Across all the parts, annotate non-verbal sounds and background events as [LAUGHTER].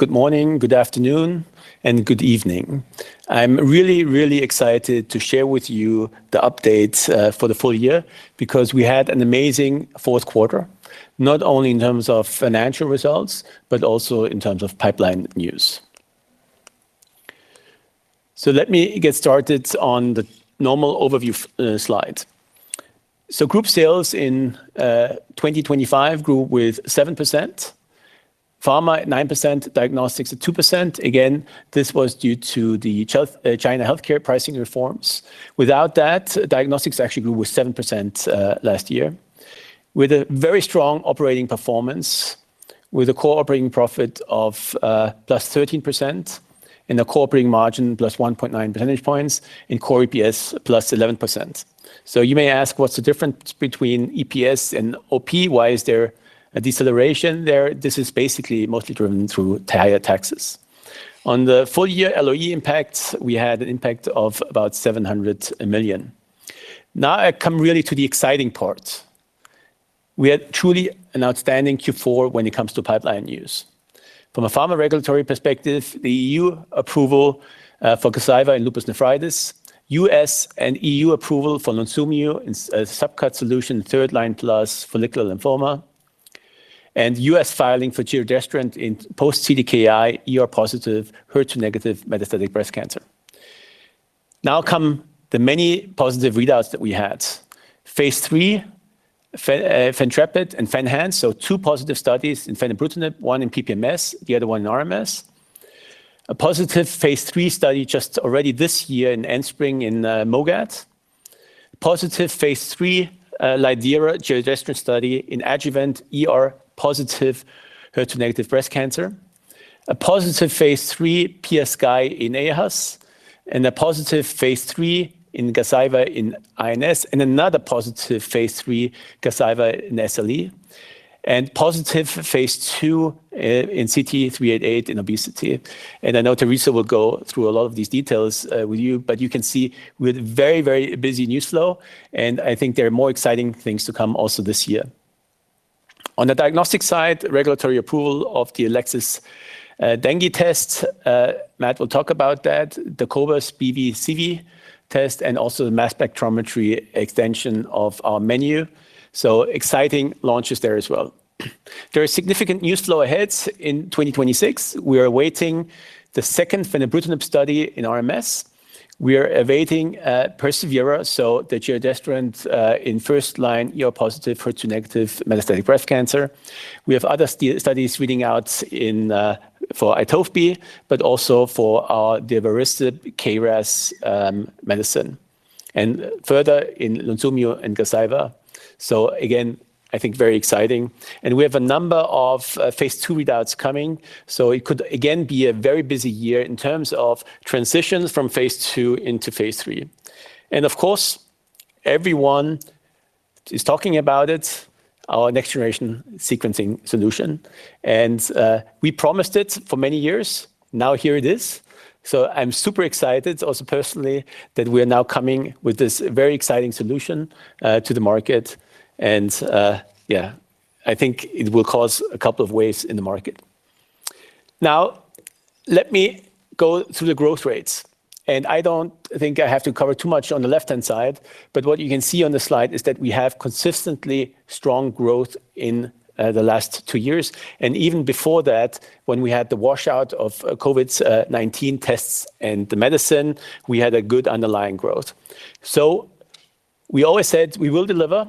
Good morning, good afternoon, and good evening. I'm really, really excited to share with you the updates for the full year because we had an amazing fourth quarter, not only in terms of financial results but also in terms of pipeline news. So let me get started on the normal overview slides. So group sales in 2025 grew with +7%, pharma at +9%, diagnostics at +2%. Again, this was due to the China healthcare pricing reforms. Without that, diagnostics actually grew with +7% last year, with a very strong operating performance, with a core operating profit of +13% and a core operating margin plus 1.9 percentage points, and core EPS +11%. So you may ask, what's the difference between EPS and OP? Why is there a deceleration there? This is basically mostly driven through higher taxes. On the full-year LOE impacts, we had an impact of about 700 million. Now I come really to the exciting part. We had truly an outstanding Q4 when it comes to pipeline news. From a pharma regulatory perspective, the EU approval for Gazyva and lupus nephritis, US and EU approval for Lunsumio in a subcut solution in third-line plus follicular lymphoma, and US filing for giredestrant in post-CDK4/6 positive, HER2 negative metastatic breast cancer. Now come the many positive readouts that we had. Phase 3, FENtrepid and FENhance, so two positive studies in fenebrutinib, one in PPMS, the other one in RMS. A positive Phase 3 study just already this year in Enspryng in MOGAD. Positive Phase 3 lidERA giredestrant study in adjuvant positive HER2 negative breast cancer. A positive Phase 3 Piasky in aHUS, and a positive Phase 3 in Gazyva in INS, and another positive Phase 3 Gazyva in SLE. And positive Phase 2 in CT-388 in obesity. And I know Teresa will go through a lot of these details with you, but you can see we had a very, very busy news flow, and I think there are more exciting things to come also this year. On the diagnostic side, regulatory approval of the Elecsys Dengue test. Matt will talk about that, the cobas BV/CV test, and also the cobas Mass Spec extension of our menu. So exciting launches there as well. There are significant news flow ahead in 2026. We are awaiting the second fenebrutinib study in RMS. We are awaiting perSEVERA, so the giredestrant in first-line positive, HER2 negative metastatic breast cancer. We have other studies reading out for Itovebi, but also for our Divarasib KRAS medicine, and further in Lunsumio and Gazyva. So again, I think very exciting. And we have a number of Phase 2 readouts coming, so it could again be a very busy year in terms of transitions from Phase 2 into Phase 3. And of course, everyone is talking about it, our next generation sequencing solution. And we promised it for many years. Now here it is. So I'm super excited also personally that we are now coming with this very exciting solution to the market. And yeah, I think it will cause a couple of waves in the market. Now let me go through the growth rates. I don't think I have to cover too much on the left-hand side, but what you can see on the slide is that we have consistently strong growth in the last two years. Even before that, when we had the washout of COVID-19 tests and the medicine, we had a good underlying growth. We always said we will deliver,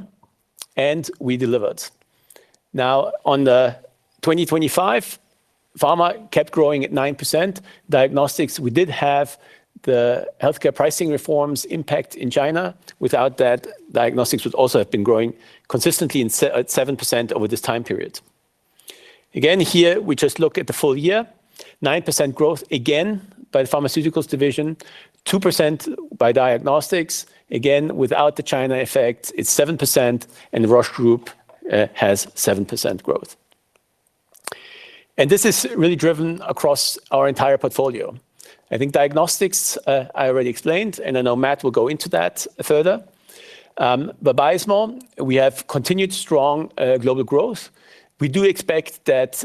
and we delivered. Now on the 2025, pharma kept growing at 9%. Diagnostics, we did have the healthcare pricing reforms impact in China. Without that, diagnostics would also have been growing consistently at 7% over this time period. Again, here we just look at the full year, 9% growth again by the pharmaceuticals division, 2% by diagnostics. Again, without the China effect, it's 7%, and Roche Group has 7% growth. And this is really driven across our entire portfolio. I think diagnostics I already explained, and I know Matt will go into that further. But pharma, we have continued strong global growth. We do expect that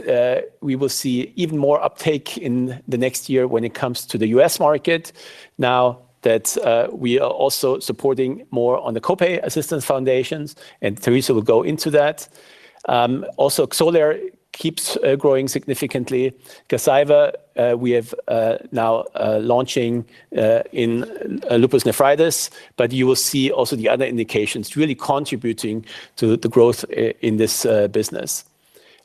we will see even more uptake in the next year when it comes to the U.S. market. Now that we are also supporting more on the copay assistance foundations, and Teresa will go into that. Also, Xolair keeps growing significantly. Gazyva, we have now launching in lupus nephritis, but you will see also the other indications really contributing to the growth in this business.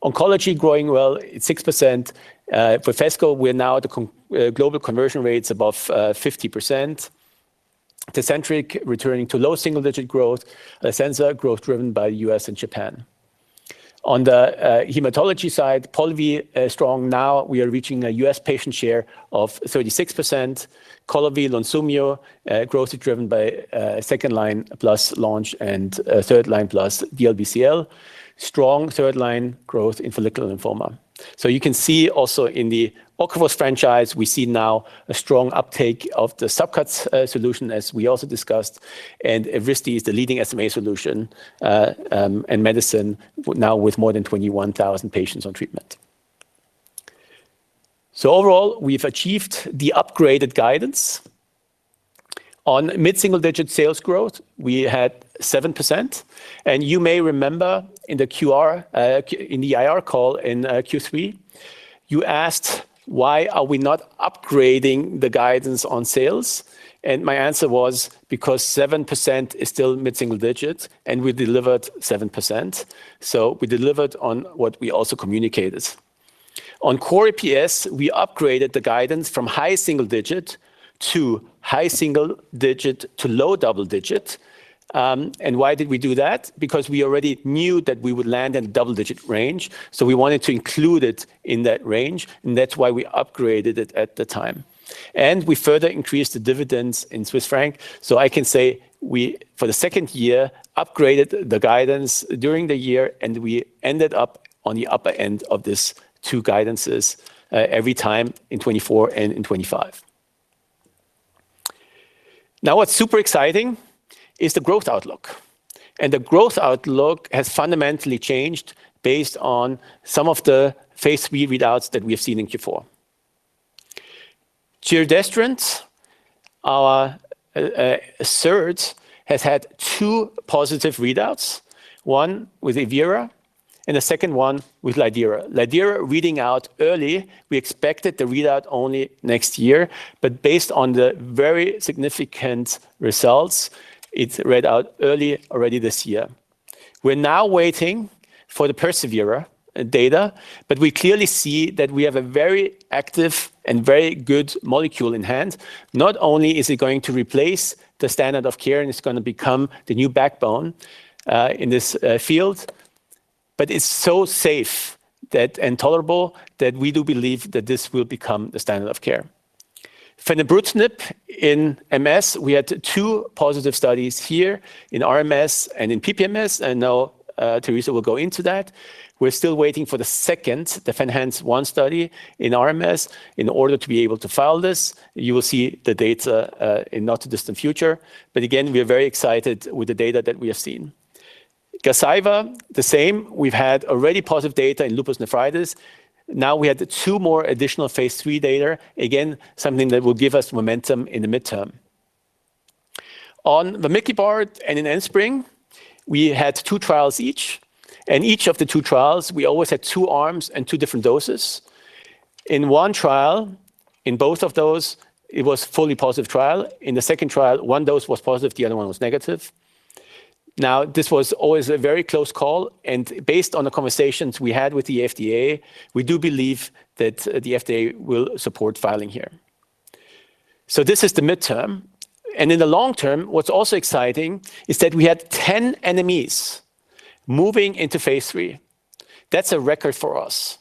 Oncology growing well, it's 6%. With Phesgo, we're now at a global conversion rate above 50%. Tecentriq returning to low single-digit growth, Hemlibra growth driven by the U.S. and Japan. On the hematology side, Polivy strong. Now we are reaching a U.S. patient share of 36%. Columvi, Lunsumio, growth driven by second-line plus launch and third-line plus DLBCL. Strong third-line growth in follicular lymphoma. So you can see also in the Ocrevus franchise, we see now a strong uptake of the subcut solution, as we also discussed. And Evrysdi is the leading SMA solution and medicine now with more than 21,000 patients on treatment. So overall, we've achieved the upgraded guidance. On mid-single-digit sales growth, we had 7%. And you may remember in the QR, in the IR call in Q3, you asked why are we not upgrading the guidance on sales. And my answer was because 7% is still mid-single digit, and we delivered 7%. So we delivered on what we also communicated. On core EPS, we upgraded the guidance from high single digit to high single digit to low double digit. And why did we do that? Because we already knew that we would land in the double digit range. So we wanted to include it in that range, and that's why we upgraded it at the time. We further increased the dividends in Swiss francs. So I can say, for the second year, we upgraded the guidance during the year, and we ended up on the upper end of these two guidances every time in 2024 and in 2025. Now what's super exciting is the growth outlook. The growth outlook has fundamentally changed based on some of the Phase 3 readouts that we have seen in Q4. Giredestrant, our SERD, has had two positive readouts, one with acelERA and a second one with lidERA. LidERA reading out early, we expected the readout only next year, but based on the very significant results, it read out early already this year. We're now waiting for the perSEVERA data, but we clearly see that we have a very active and very good molecule in hand. Not only is it going to replace the standard of care and it's going to become the new backbone in this field, but it's so safe and tolerable that we do believe that this will become the standard of care. Fenebrutinib in MS, we had two positive studies here in RMS and in PPMS, and now Teresa will go into that. We're still waiting for the second, the FENhance one study in RMS in order to be able to file this. You will see the data in not too distant future. But again, we are very excited with the data that we have seen. Gazyva, the same. We've had already positive data in lupus nephritis. Now we had two more additional Phase 3 data, again, something that will give us momentum in the mid-term. On Vamikibart and Enspryng, we had two trials each. Each of the two trials, we always had two arms and two different doses. In one trial, in both of those, it was a fully positive trial. In the second trial, one dose was positive, the other one was negative. Now this was always a very close call. Based on the conversations we had with the FDA, we do believe that the FDA will support filing here. This is the mid-term. In the long-term, what's also exciting is that we had 10 NMEs moving into Phase 3. That's a record for us.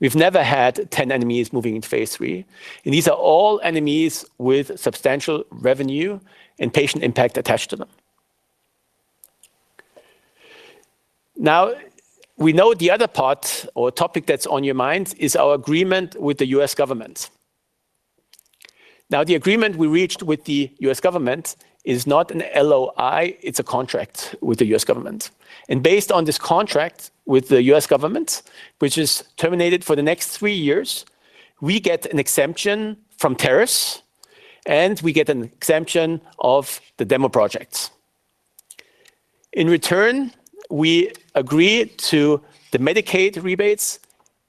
We've never had 10 NMEs moving into Phase 3. These are all NMEs with substantial revenue and patient impact attached to them. Now we know the other part or topic that's on your minds is our agreement with the U.S. government. Now the agreement we reached with the US government is not an LOI; it's a contract with the U.S. government. And based on this contract with the US government, which is terminated for the next three years, we get an exemption from tariffs and we get an exemption of the demo projects. In return, we agree to the Medicaid rebates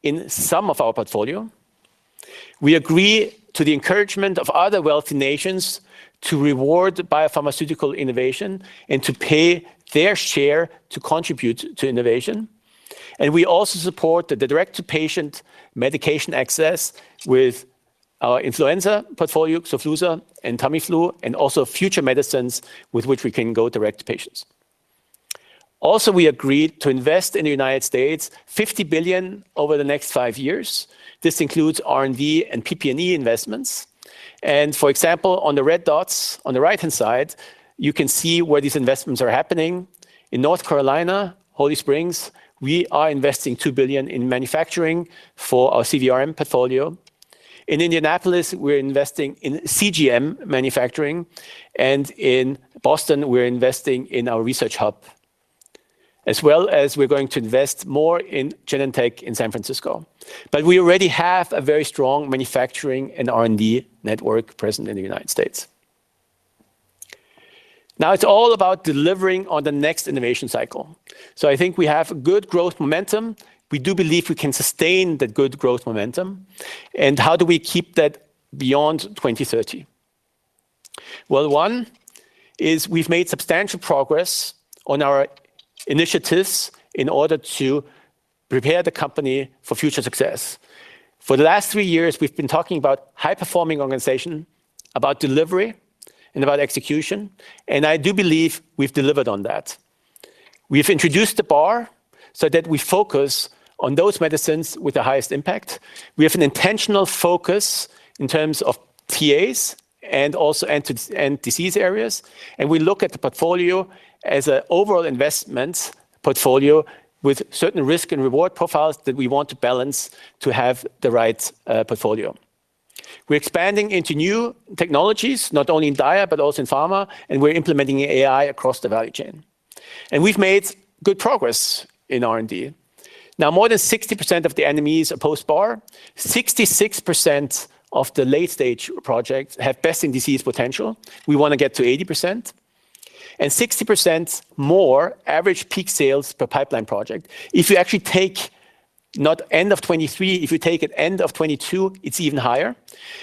in some of our portfolio. We agree to the encouragement of other wealthy nations to reward biopharmaceutical innovation and to pay their share to contribute to innovation. And we also support the direct-to-patient medication access with our influenza portfolio, Xofluza and Tamiflu, and also future medicines with which we can go direct to patients. Also, we agreed to invest in the United States $50 billion over the next five years. This includes R&D and PP&E investments. For example, on the red dots on the right-hand side, you can see where these investments are happening. In North Carolina, Holly Springs, we are investing 2 billion in manufacturing for our CVRM portfolio. In Indianapolis, we're investing in CGM manufacturing. In Boston, we're investing in our research hub, as well as we're going to invest more in Genentech in San Francisco. But we already have a very strong manufacturing and R&D network present in the United States. Now it's all about delivering on the next innovation cycle. So I think we have good growth momentum. We do believe we can sustain that good growth momentum. How do we keep that beyond 2030? Well, one is we've made substantial progress on our initiatives in order to prepare the company for future success. For the last three years, we've been talking about high-performing organization, about delivery, and about execution. I do believe we've delivered on that. We've introduced the bar so that we focus on those medicines with the highest impact. We have an intentional focus in terms of TAs and also end disease areas. We look at the portfolio as an overall investment portfolio with certain risk and reward profiles that we want to balance to have the right portfolio. We're expanding into new technologies, not only in diet, but also in pharma, and we're implementing AI across the value chain. We've made good progress in R&D. Now more than 60% of the NMEs are post-bar. 66% of the late-stage projects have best-in-disease potential. We want to get to 80% and 60% more average peak sales per pipeline project. If you actually take not end of 2023, if you take it end of 2022, it's even higher.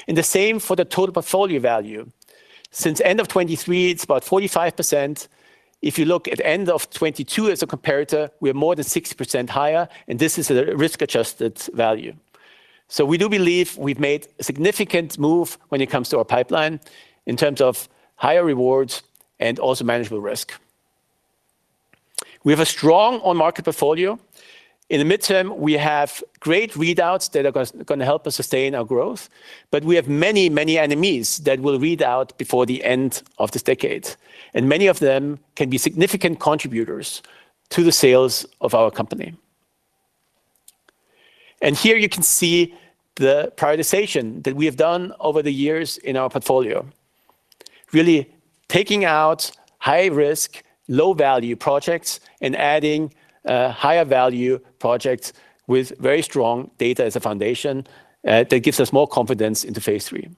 The same for the total portfolio value. Since end of 2023, it's about 45%. If you look at end of 2022 as a comparator, we are more than 60% higher, and this is a risk-adjusted value. So we do believe we've made a significant move when it comes to our pipeline in terms of higher rewards and also manageable risk. We have a strong on-market portfolio. In the midterm, we have great readouts that are going to help us sustain our growth, but we have many, many NMEs that will read out before the end of this decade. Many of them can be significant contributors to the sales of our company. Here you can see the prioritization that we have done over the years in our portfolio, really taking out high-risk, low-value projects and adding higher-value projects with very strong data as a foundation that gives us more confidence into Phase 3.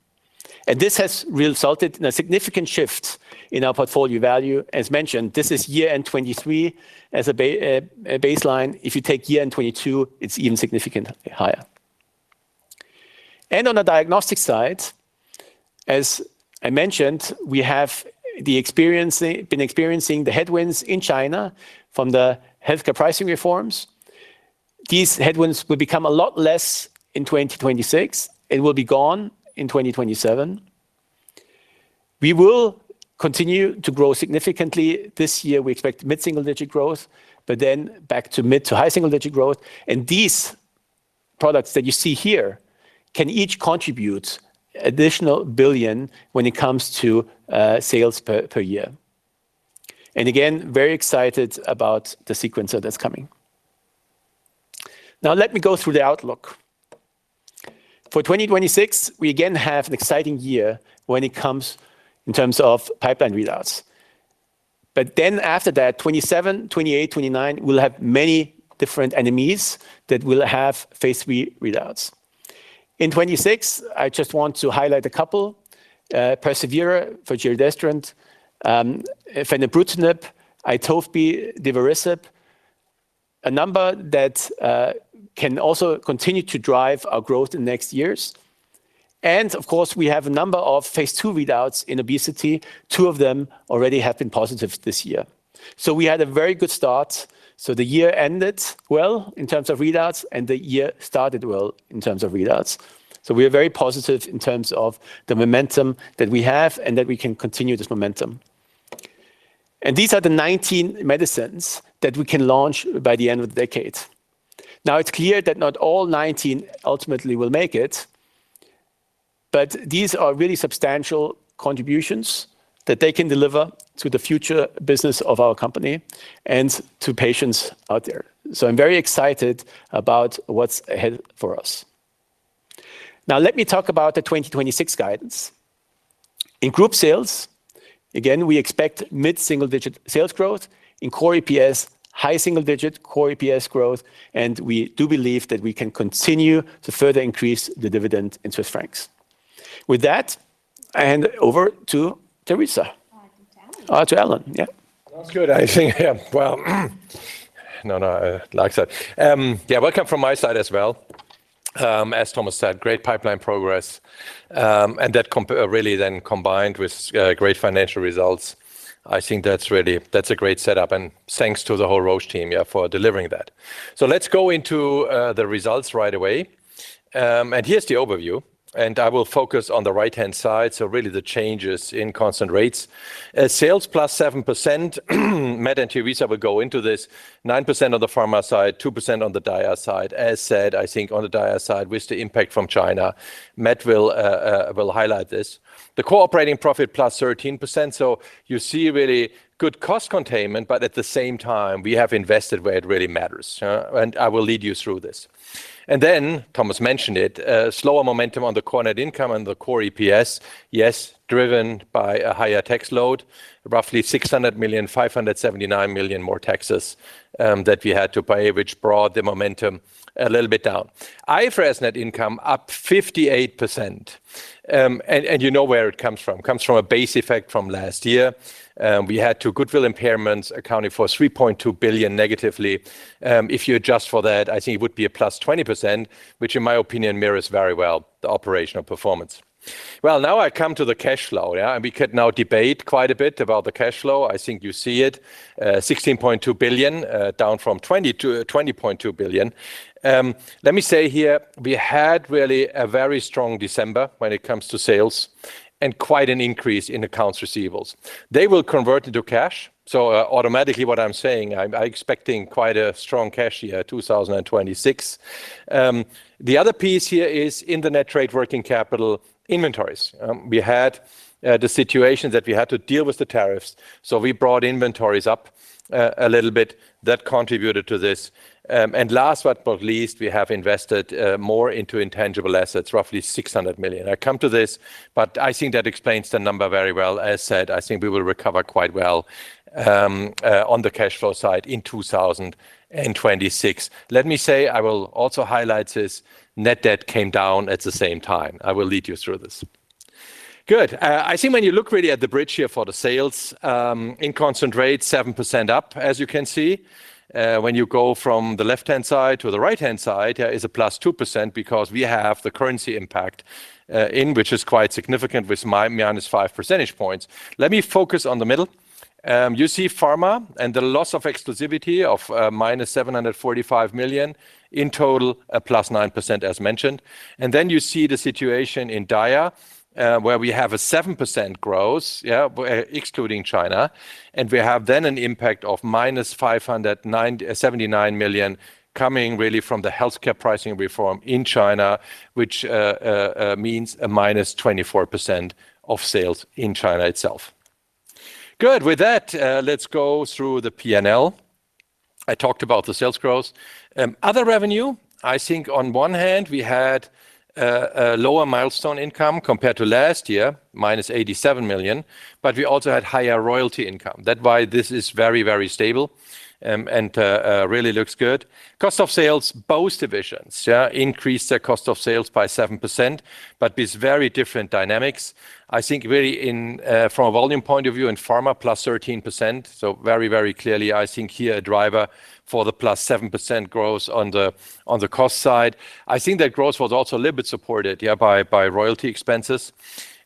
This has resulted in a significant shift in our portfolio value. As mentioned, this is year-end 2023 as a baseline. If you take year-end 2022, it's even significantly higher. On the diagnostic side, as I mentioned, we have been experiencing the headwinds in China from the healthcare pricing reforms. These headwinds will become a lot less in 2026. It will be gone in 2027. We will continue to grow significantly this year. We expect mid-single-digit growth, but then back to mid to high single-digit growth. These products that you see here can each contribute an additional 1 billion when it comes to sales per year. Again, very excited about the sequence that's coming. Now let me go through the outlook. For 2026, we again have an exciting year when it comes in terms of pipeline readouts. But then after that, 2027, 2028, 2029, we'll have many different NMEs that will have Phase 3 readouts. In 2026, I just want to highlight a couple, perSEVERA, giredestrant, fenebrutinib, Itovebi, Divarasib, a number that can also continue to drive our growth in the next years. And of course, we have a number of Phase 2 readouts in obesity. 2 of them already have been positive this year. So we had a very good start. So the year ended well in terms of readouts, and the year started well in terms of readouts. So we are very positive in terms of the momentum that we have and that we can continue this momentum. These are the 19 medicines that we can launch by the end of the decade. Now it's clear that not all 19 ultimately will make it, but these are really substantial contributions that they can deliver to the future business of our company and to patients out there. I'm very excited about what's ahead for us. Now let me talk about the 2026 guidance. In group sales, again, we expect mid-single-digit sales growth. In core EPS, high single-digit core EPS growth. We do believe that we can continue to further increase the dividend in Swiss francs. With that, I hand it over to Teresa. To Alan. To Alan, yeah. Sounds good, I think. Yeah, well, no, no, I like that. Yeah, welcome from my side as well. As Thomas said, great pipeline progress. That really then combined with great financial results. I think that's really, that's a great setup. Thanks to the whole Roche team for delivering that. So let's go into the results right away. Here's the overview. I will focus on the right-hand side. So really the changes in constant rates. Sales +7%. Matt and Teresa will go into this. 9% on the pharma side, 2% on the diagnostics side. As said, I think on the diagnostics side with the impact from China. Matt will highlight this. Core operating profit +13%. So you see really good cost containment, but at the same time, we have invested where it really matters. I will lead you through this. And then Thomas mentioned it, slower momentum on the core net income and the core EPS, yes, driven by a higher tax load, roughly 600 million, 579 million more taxes that we had to pay, which brought the momentum a little bit down. IFRS net income up 58%. And you know where it comes from. It comes from a base effect from last year. We had two goodwill impairments accounting for 3.2 billion negatively. If you adjust for that, I think it would be a plus 20%, which in my opinion mirrors very well the operational performance. Well, now I come to the cash flow. And we could now debate quite a bit about the cash flow. I think you see it, 16.2 billion down from 20.2 billion. Let me say here, we had really a very strong December when it comes to sales and quite an increase in accounts receivables. They will convert into cash. So automatically what I'm saying, I'm expecting quite a strong cash year, 2026. The other piece here is net trade working capital inventories. We had the situation that we had to deal with the tariffs. So we brought inventories up a little bit that contributed to this. And last but not least, we have invested more into intangible assets, roughly 600 million. I come to this, but I think that explains the number very well. As said, I think we will recover quite well on the cash flow side in 2026. Let me say I will also highlight this. Net debt came down at the same time. I will lead you through this. Good. I think when you look really at the bridge here for the sales, in constant rate, 7% up, as you can see. When you go from the left-hand side to the right-hand side, there is a +2% because we have the currency impact in, which is quite significant with -5 percentage points. Let me focus on the middle. You see Pharma and the loss of exclusivity of -745 million in total, a +9% as mentioned. And then you see the situation in diagnostics where we have a 7% growth, excluding China. And we have then an impact of -579 million coming really from the healthcare pricing reform in China, which means a -24% of sales in China itself. Good. With that, let's go through the P&L. I talked about the sales growth. Other revenue, I think on one hand, we had a lower milestone income compared to last year, -87 million, but we also had higher royalty income. That's why this is very, very stable and really looks good. Cost of sales, both divisions increased their cost of sales by 7%, but with very different dynamics. I think really from a volume point of view in Pharma, +13%. So very, very clearly, I think here a driver for the +7% growth on the cost side. I think that growth was also a little bit supported by royalty expenses.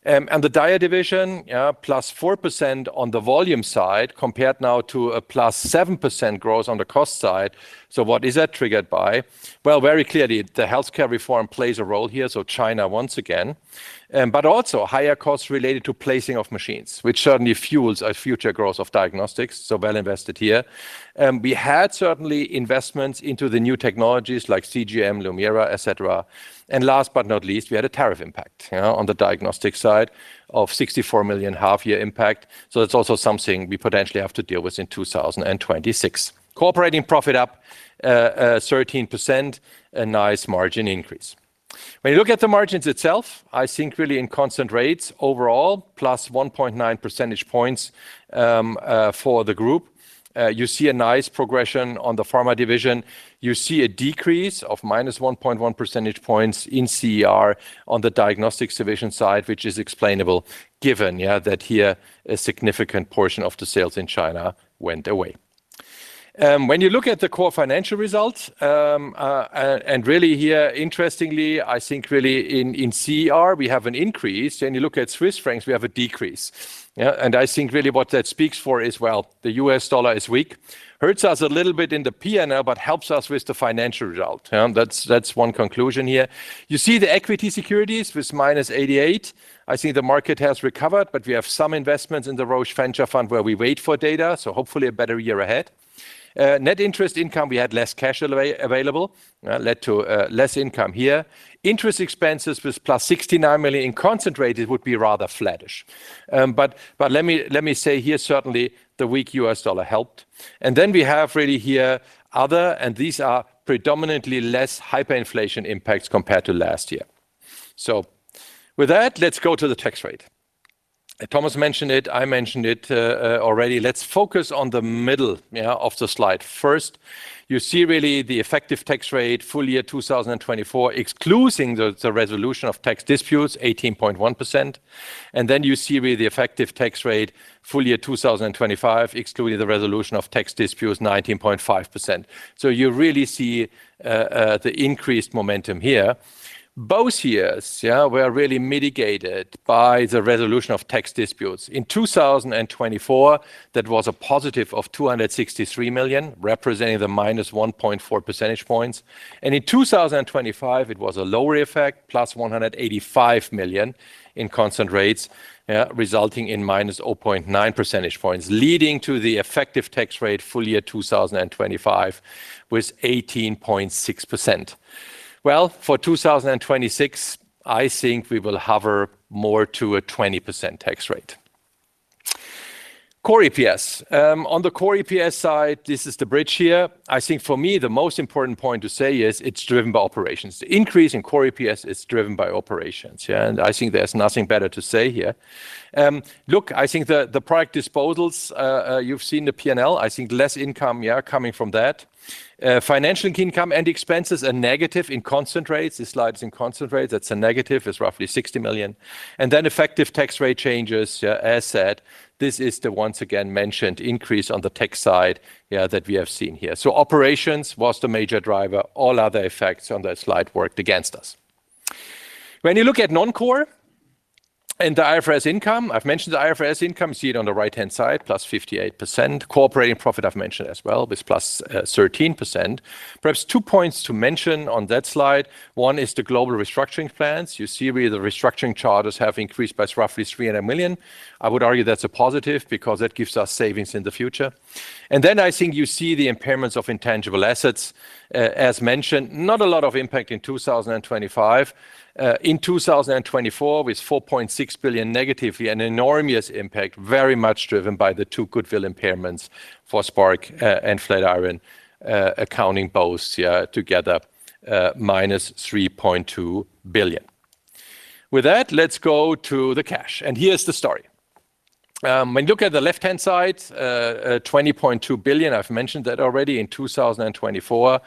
And the diagnostics division, +4% on the volume side compared now to a +7% growth on the cost side. So what is that triggered by? Well, very clearly, the healthcare reform plays a role here. So China once again, but also higher costs related to placing of machines, which certainly fuels our future growth of diagnostics. So well invested here. We had certainly investments into the new technologies like CGM, LumiraDx, etc. Last but not least, we had a tariff impact on the diagnostic side of 64 million half-year impact. So that's also something we potentially have to deal with in 2026. Core operating profit up 13%, a nice margin increase. When you look at the margins themselves, I think really in constant rates overall, plus 1.9 percentage points for the group. You see a nice progression on the pharma division. You see a decrease of minus 1.1 percentage points in CER on the diagnostic division side, which is explainable given that here a significant portion of the sales in China went away. When you look at the core financial results, and really here interestingly, I think really in CER we have an increase. You look at Swiss francs, we have a decrease. I think really what that speaks for is, well, the US dollar is weak. Hurts us a little bit in the P&L, but helps us with the financial result. That's one conclusion here. You see the equity securities with -88 million. I think the market has recovered, but we have some investments in the Roche Venture Fund where we wait for data. So hopefully a better year ahead. Net interest income, we had less cash available, led to less income here. Interest expenses with +69 million in concentrated would be rather flattish. But let me say here, certainly the weak US dollar helped. And then we have really here other, and these are predominantly less hyperinflation impacts compared to last year. So with that, let's go to the tax rate. Thomas mentioned it, I mentioned it already. Let's focus on the middle of the slide first. You see really the effective tax rate, full year 2024, excluding the resolution of tax disputes, 18.1%. And then you see really the effective tax rate, full year 2025, excluding the resolution of tax disputes, 19.5%. So you really see the increased momentum here. Both years were really mitigated by the resolution of tax disputes. In 2024, that was a positive of 263 million, representing the minus 1.4 percentage points. And in 2025, it was a lower effect, plus 185 million in constant rates, resulting in minus 0.9 percentage points, leading to the effective tax rate full year 2025 with 18.6%. Well, for 2026, I think we will hover more to a 20% tax rate. Core EPS. On the core EPS side, this is the bridge here. I think for me, the most important point to say is it's driven by operations. The increase in core EPS is driven by operations. And I think there's nothing better to say here. Look, I think the product disposals, you've seen the P&L, I think less income coming from that. Financial income and expenses are negative in constant rates. This slide is in constant rates. That's a negative, is roughly 60 million. And then effective tax rate changes, as said, this is the once again mentioned increase on the tax side that we have seen here. So operations was the major driver. All other effects on that slide worked against us. When you look at non-core and the IFRS income, I've mentioned the IFRS income, see it on the right-hand side, +58%. Core operating profit, I've mentioned as well with +13%. Perhaps two points to mention on that slide. One is the global restructuring plans. You see really the restructuring charges have increased by roughly 300 million. I would argue that's a positive because that gives us savings in the future. Then I think you see the impairments of intangible assets, as mentioned, not a lot of impact in 2025. In 2024, with 4.6 billion negatively, an enormous impact, very much driven by the two goodwill impairments for Spark and Flatiron amounting both together, minus 3.2 billion. With that, let's go to the cash. And here's the story. When you look at the left-hand side, 20.2 billion, I've mentioned that already in 2024.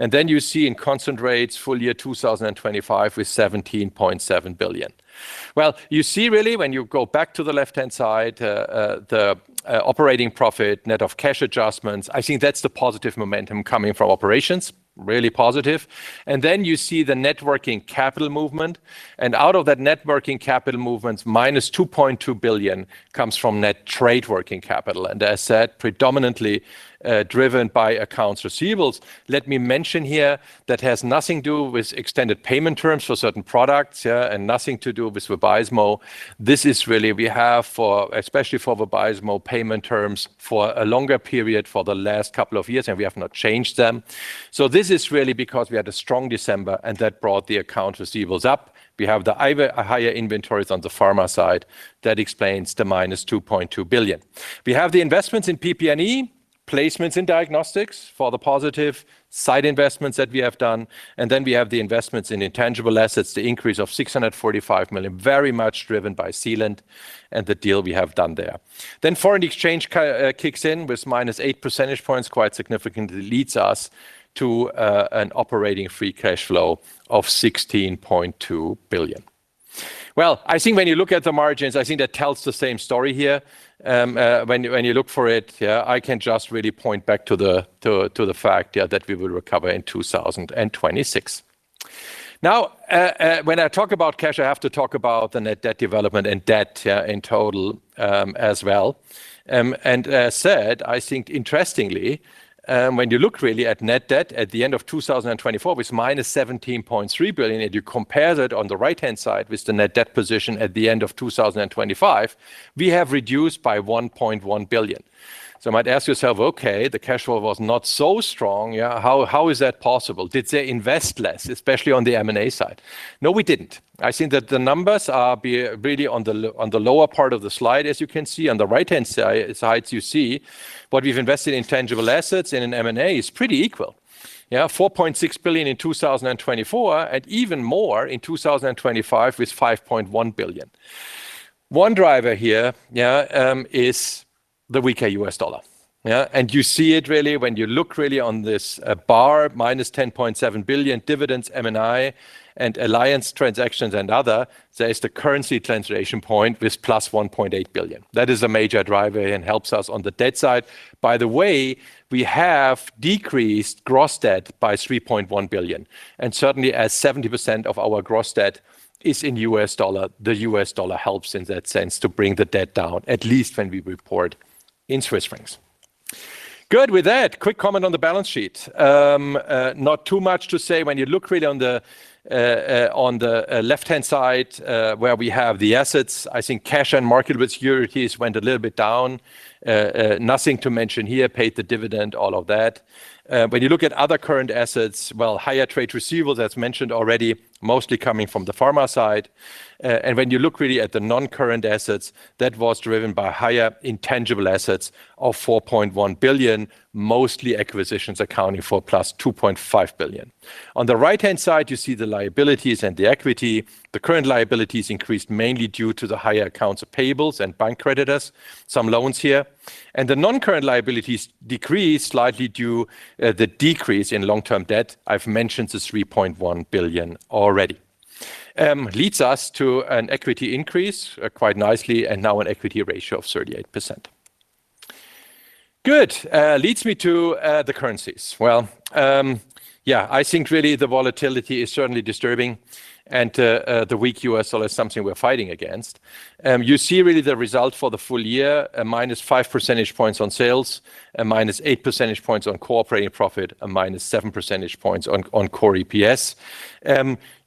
And then you see in constant rates, full year 2025 with 17.7 billion. Well, you see really when you go back to the left-hand side, the operating profit, net of cash adjustments, I think that's the positive momentum coming from operations, really positive. And then you see the net working capital movement. And out of that net working capital movements, minus 2.2 billion comes from net trade working capital. And as said, predominantly driven by accounts receivables. Let me mention here that has nothing to do with extended payment terms for certain products and nothing to do with Vabysmo. This is really we have for, especially for Vabysmo, payment terms for a longer period for the last couple of years, and we have not changed them. So this is really because we had a strong December, and that brought the accounts receivables up. We have the higher inventories on the pharma side. That explains the -2.2 billion. We have the investments in PP&E, placements in diagnostics for the positive side investments that we have done. And then we have the investments in intangible assets, the increase of 645 million, very much driven by Zealand and the deal we have done there. Then foreign exchange kicks in with -8 percentage points, quite significantly leads us to an operating free cash flow of 16.2 billion. Well, I think when you look at the margins, I think that tells the same story here. When you look for it, I can just really point back to the fact that we will recover in 2026. Now, when I talk about cash, I have to talk about the net debt development and debt in total as well. As said, I think interestingly, when you look really at net debt at the end of 2024 with -17.3 billion, and you compare that on the right-hand side with the net debt position at the end of 2025, we have reduced by 1.1 billion. So you might ask yourself, okay, the cash flow was not so strong. How is that possible? Did they invest less, especially on the M&A side? No, we didn't. I think that the numbers are really on the lower part of the slide, as you can see on the right-hand side. You see what we've invested in tangible assets and in M&A is pretty equal: 4.6 billion in 2024 and even more in 2025 with 5.1 billion. One driver here is the weaker US dollar. And you see it really when you look really on this bar, minus 10.7 billion, dividends, M&A, and alliance transactions and other. There is the currency translation point with plus 1.8 billion. That is a major driver and helps us on the debt side. By the way, we have decreased gross debt by 3.1 billion. And certainly, as 70% of our gross debt is in US dollar, the US dollar helps in that sense to bring the debt down, at least when we report in Swiss francs. Good with that. Quick comment on the balance sheet. Not too much to say when you look really on the left-hand side where we have the assets. I think cash and market with securities went a little bit down. Nothing to mention here, paid the dividend, all of that. When you look at other current assets, well, higher trade receivables, as mentioned already, mostly coming from the pharma side. When you look really at the non-current assets, that was driven by higher intangible assets of 4.1 billion, mostly acquisitions accounting for plus 2.5 billion. On the right-hand side, you see the liabilities and the equity. The current liabilities increased mainly due to the higher accounts payables and bank creditors, some loans here. The non-current liabilities decreased slightly due to the decrease in long-term debt. I've mentioned the 3.1 billion already. Leads us to an equity increase quite nicely and now an equity ratio of 38%. Good. Leads me to the currencies. Well, yeah, I think really the volatility is certainly disturbing and the weak U.S. dollar is something we're fighting against. You see really the result for the full year, -5 percentage points on sales, -8 percentage points on core operating profit, -7 percentage points on core EPS.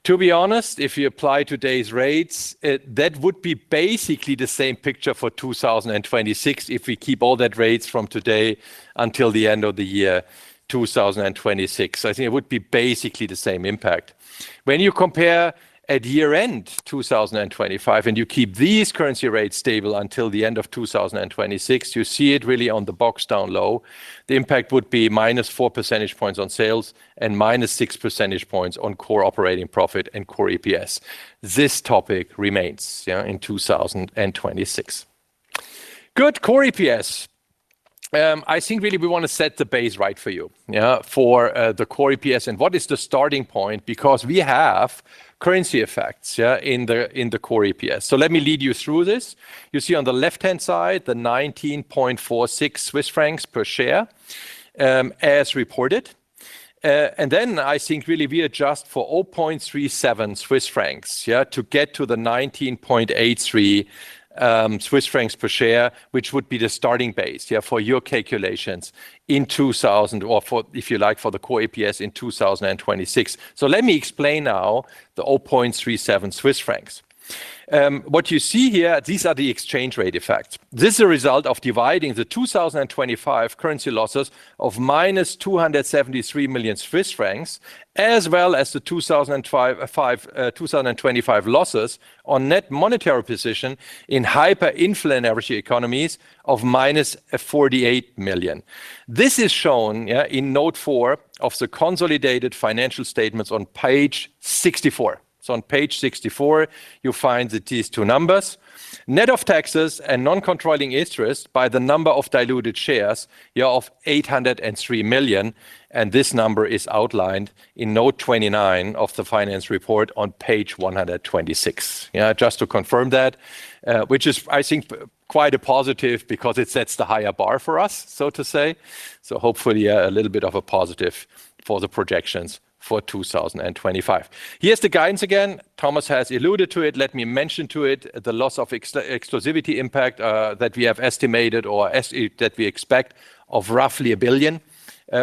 To be honest, if you apply today's rates, that would be basically the same picture for 2026 if we keep all those rates from today until the end of the year 2026. I think it would be basically the same impact. When you compare at year-end 2025 and you keep these currency rates stable until the end of 2026, you see it really on the box down low. The impact would be minus 4 percentage points on sales and minus 6 percentage points on Core Operating Profit and Core EPS. This topic remains in 2026. Good. Core EPS. I think really we want to set the base right for you for the Core EPS and what is the starting point because we have currency effects in the Core EPS. So let me lead you through this. You see on the left-hand side, the 19.46 Swiss francs per share as reported. And then I think really we adjust for 0.37 Swiss francs to get to the 19.83 Swiss francs per share, which would be the starting base for your calculations in 2000 or if you like for the Core EPS in 2026. So let me explain now the 0.37 Swiss francs. What you see here, these are the exchange rate effects. This is a result of dividing the 2025 currency losses of -273 million Swiss francs as well as the 2025 losses on net monetary position in hyperinflationary economies of -48 million. This is shown in note 4 of the consolidated financial statements on page 64. So on page 64, you find these two numbers. Net of taxes and non-controlling interest by the number of diluted shares of 803 million. This number is outlined in note 29 of the finance report on page 126. Just to confirm that, which is, I think, quite a positive because it sets the higher bar for us, so to say. Hopefully a little bit of a positive for the projections for 2025. Here's the guidance again. Thomas has alluded to it. Let me mention to it the loss of exclusivity impact that we have estimated or that we expect of roughly 1 billion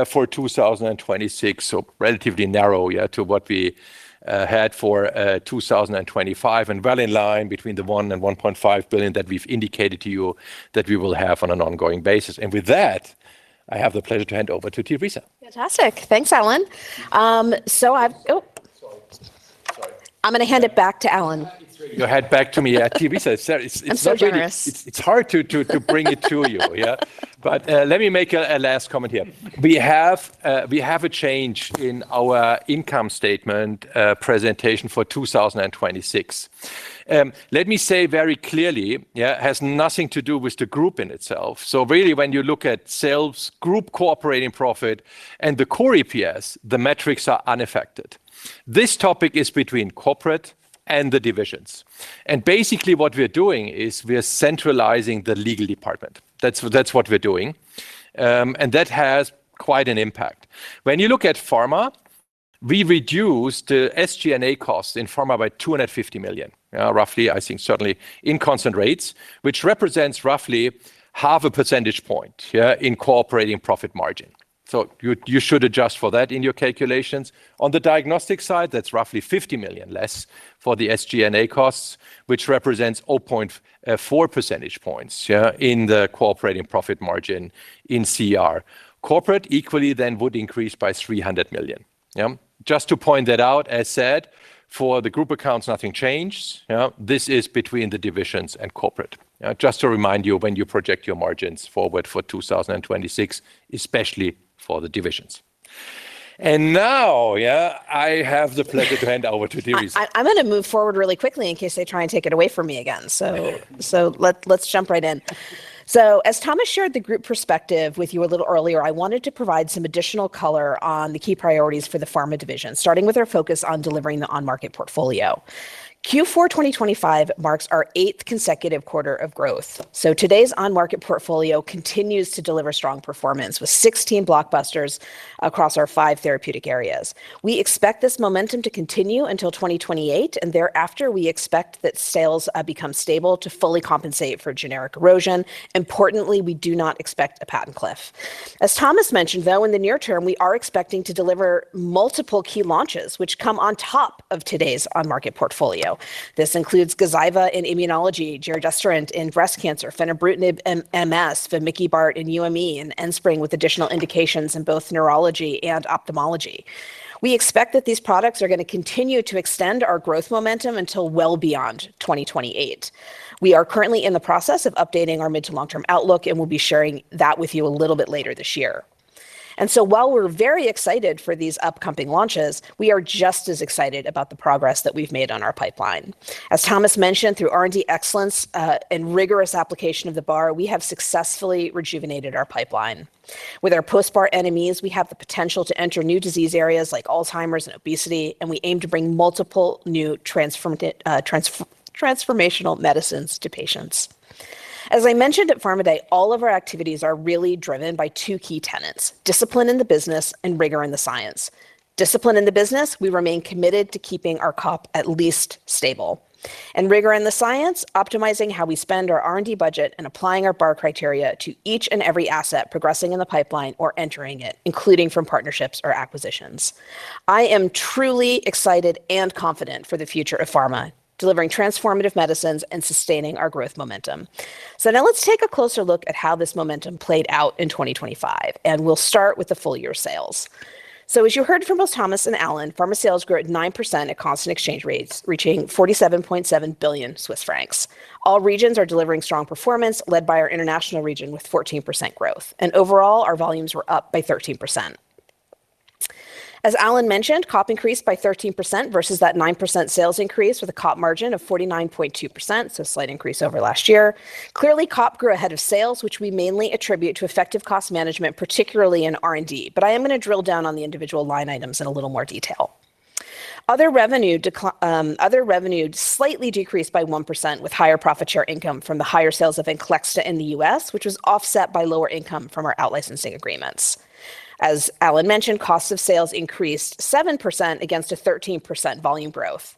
for 2026. So relatively narrow to what we had for 2025 and well in line between the 1 billion and 1.5 billion that we've indicated to you that we will have on an ongoing basis. And with that, I have the pleasure to hand over to Teresa. Fantastic. Thanks, Alan. So I'm going to hand it back to Alan. Go ahead back to me. Teresa, it's really nice. It's hard to bring it to you. But let me make a last comment here. We have a change in our income statement presentation for 2026. Let me say very clearly, it has nothing to do with the group in itself. So really, when you look at sales, group operating profit, and the core EPS, the metrics are unaffected. This topic is between corporate and the divisions. Basically, what we're doing is we're centralizing the legal department. That's what we're doing. That has quite an impact. When you look at pharma, we reduced the SG&A costs in pharma by 250 million, roughly, I think, certainly in constant rates, which represents roughly half a percentage point in core operating profit margin. So you should adjust for that in your calculations. On the diagnostic side, that's roughly 50 million less for the SG&A costs, which represents 0.4 percentage points in the core operating profit margin in CR. Corporate equally then would increase by 300 million. Just to point that out, as said, for the group accounts, nothing changed. This is between the divisions and corporate. Just to remind you, when you project your margins forward for 2026, especially for the divisions. Now I have the pleasure to hand over to Teresa. I'm going to move forward really quickly in case they try and take it away from me again. Let's jump right in. As Thomas shared the group perspective with you a little earlier, I wanted to provide some additional color on the key priorities for the pharma division, starting with our focus on delivering the on-market portfolio. Q4 2025 marks our eighth consecutive quarter of growth. Today's on-market portfolio continues to deliver strong performance with 16 blockbusters across our five therapeutic areas. We expect this momentum to continue until 2028, and thereafter, we expect that sales become stable to fully compensate for generic erosion. Importantly, we do not expect a patent cliff. As Thomas mentioned, though, in the near term, we are expecting to deliver multiple key launches, which come on top of today's on-market portfolio. This includes Gazyva in immunology, giredestrant in breast cancer, fenebrutinib MS, vamikibart in UME, and Enspryng with additional indications in both neurology and ophthalmology. We expect that these products are going to continue to extend our growth momentum until well beyond 2028. We are currently in the process of updating our mid to long-term outlook, and we'll be sharing that with you a little bit later this year. And so while we're very excited for these upcoming launches, we are just as excited about the progress that we've made on our pipeline. As Thomas mentioned, through R&D excellence and rigorous application of the bar, we have successfully rejuvenated our pipeline. With our post-bar NMEs, we have the potential to enter new disease areas like Alzheimer's and obesity, and we aim to bring multiple new transformational medicines to patients. As I mentioned at Pharma Day, all of our activities are really driven by two key tenets: discipline in the business and rigor in the science. Discipline in the business, we remain committed to keeping our cup at least stable. Rigor in the science, optimizing how we spend our R&D budget and applying our bar criteria to each and every asset progressing in the pipeline or entering it, including from partnerships or acquisitions. I am truly excited and confident for the future of pharma, delivering transformative medicines and sustaining our growth momentum. Now let's take a closer look at how this momentum played out in 2025, and we'll start with the full-year sales. As you heard from both Thomas and Alan, pharma sales grew at 9% at constant exchange rates, reaching 47.7 billion Swiss francs. All regions are delivering strong performance, led by our international region with 14% growth. Overall, our volumes were up by 13%. As Alan mentioned, COP increased by 13% versus that 9% sales increase with a COP margin of 49.2%, so a slight increase over last year. Clearly, COP grew ahead of sales, which we mainly attribute to effective cost management, particularly in R&D. I am going to drill down on the individual line items in a little more detail. Other revenue slightly decreased by 1% with higher profit share income from the higher sales of Enspryng in the U.S., which was offset by lower income from our outlicensing agreements. As Alan mentioned, costs of sales increased 7% against a 13% volume growth.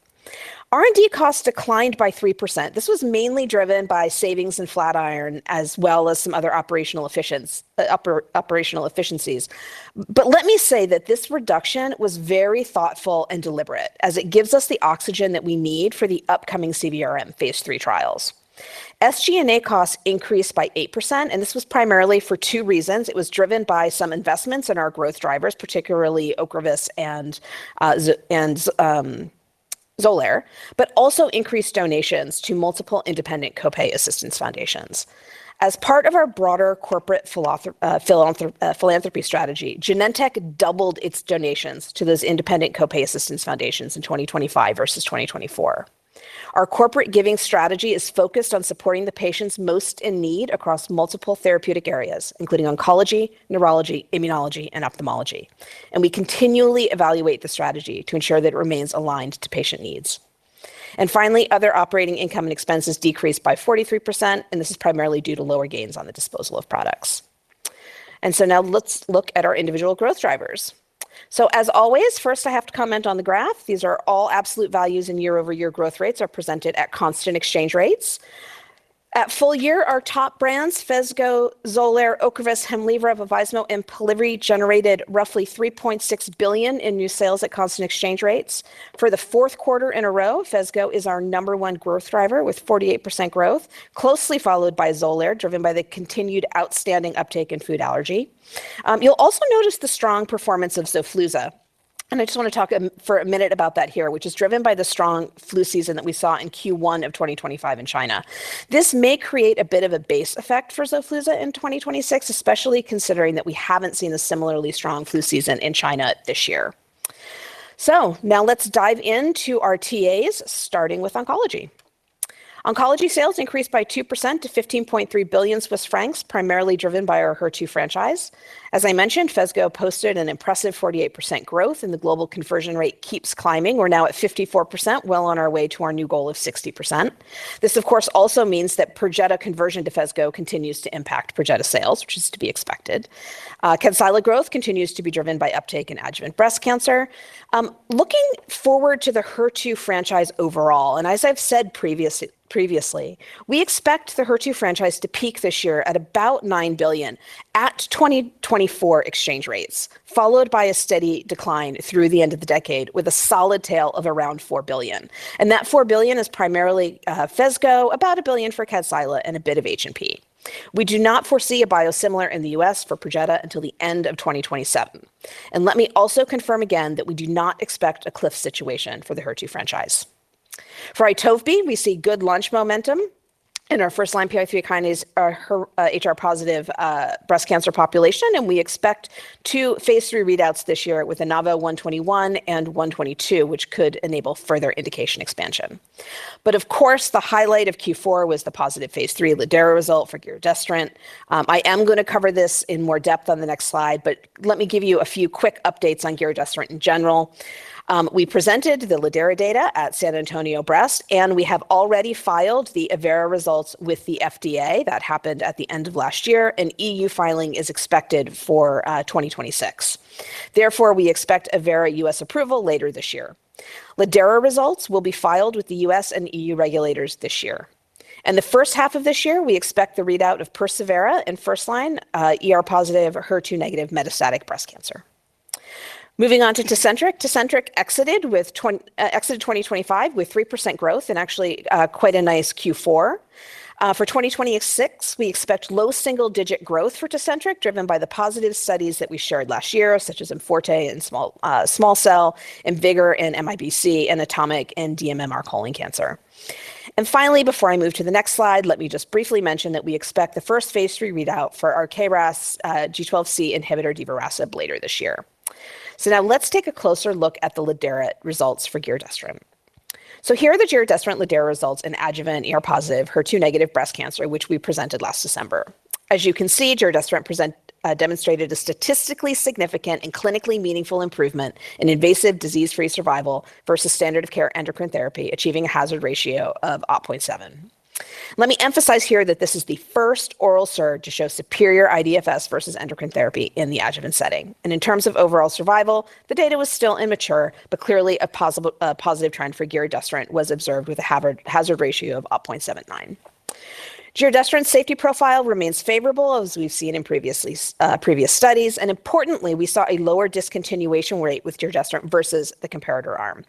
R&D costs declined by 3%. This was mainly driven by savings in Flatiron as well as some other operational efficiencies. But let me say that this reduction was very thoughtful and deliberate, as it gives us the oxygen that we need for the upcoming CVRM Phase 3 trials. SG&A costs increased by 8%, and this was primarily for two reasons. It was driven by some investments in our growth drivers, particularly Ocrevus and Xolair, but also increased donations to multiple independent copay assistance foundations. As part of our broader corporate philanthropy strategy, Genentech doubled its donations to those independent copay assistance foundations in 2025 versus 2024. Our corporate giving strategy is focused on supporting the patients most in need across multiple therapeutic areas, including oncology, neurology, immunology, and ophthalmology. And we continually evaluate the strategy to ensure that it remains aligned to patient needs. And finally, other operating income and expenses decreased by 43%, and this is primarily due to lower gains on the disposal of products. Now let's look at our individual growth drivers. So as always, first I have to comment on the graph. These are all absolute values and year-over-year growth rates are presented at constant exchange rates. At full year, our top brands, Phesgo, Xolair, Ocrevus, Hemlibra, Vabysmo, and Polivy generated roughly 3.6 billion in new sales at constant exchange rates. For the fourth quarter in a row, Phesgo is our number one growth driver with 48% growth, closely followed by Xolair, driven by the continued outstanding uptake in food allergy. You'll also notice the strong performance of Xofluza. And I just want to talk for a minute about that here, which is driven by the strong flu season that we saw in Q1 of 2025 in China. This may create a bit of a base effect for Xofluza in 2026, especially considering that we haven't seen a similarly strong flu season in China this year. So now let's dive into our TAs, starting with oncology. Oncology sales increased by 2% to 15.3 billion Swiss francs, primarily driven by our HER2 franchise. As I mentioned, Phesgo posted an impressive 48% growth, and the global conversion rate keeps climbing. We're now at 54%, well on our way to our new goal of 60%. This, of course, also means that Perjeta conversion to Phesgo continues to impact Perjeta sales, which is to be expected. Kadcyla growth continues to be driven by uptake in adjuvant breast cancer. Looking forward to the HER2 franchise overall, and as I've said previously, we expect the HER2 franchise to peak this year at about 9 billion at 2024 exchange rates, followed by a steady decline through the end of the decade with a solid tail of around 4 billion. That 4 billion is primarily Phesgo, about 1 billion for Kadcyla, and a bit of H&P. We do not foresee a biosimilar in the U.S. for Perjeta until the end of 2027. Let me also confirm again that we do not expect a cliff situation for the HER2 franchise. For Itovebi, we see good launch momentum in our first-line PI3 kinase HR-positive breast cancer population, and we expect two Phase 3 readouts this year with INAVO121 and 122, which could enable further indication expansion. But of course, the highlight of Q4 was the positive Phase 3 lidERA result for giredestrant. I am going to cover this in more depth on the next slide, but let me give you a few quick updates on giredestrant in general. We presented the lidERA data at San Antonio Breast, and we have already filed the acelERA results with the FDA. That happened at the end of last year, and EU filing is expected for 2026. Therefore, we expect acelERA US approval later this year. lidERA results will be filed with the US and EU regulators this year. And the first half of this year, we expect the readout of perSEVERA in first-line, ER-positive, HER2-negative metastatic breast cancer. Moving on to Tecentriq, Tecentriq exited 2025 with 3% growth and actually quite a nice Q4. For 2026, we expect low single-digit growth for Tecentriq, driven by the positive studies that we shared last year, such as IMforte and Small Cell, IMvigor and MIBC, and ATOMIC and dMMR colon cancer. And finally, before I move to the next slide, let me just briefly mention that we expect the first Phase 3 readout for our KRAS G12C inhibitor Divarasib later this year. So now let's take a closer look at the lidERA results for Giredestrant. So here are the Giredestrant lidERA results in adjuvant ER-positive, HER2-negative breast cancer, which we presented last December. As you can see, Giredestrant demonstrated a statistically significant and clinically meaningful improvement in invasive disease-free survival versus standard of care endocrine therapy, achieving a hazard ratio of 0.7. Let me emphasize here that this is the first oral SERD to show superior IDFS versus endocrine therapy in the adjuvant setting. In terms of overall survival, the data was still immature, but clearly a positive trend for giredestrant was observed with a hazard ratio of 0.79. Giredestrant's safety profile remains favorable, as we've seen in previous studies. And importantly, we saw a lower discontinuation rate with giredestrant versus the comparator arm.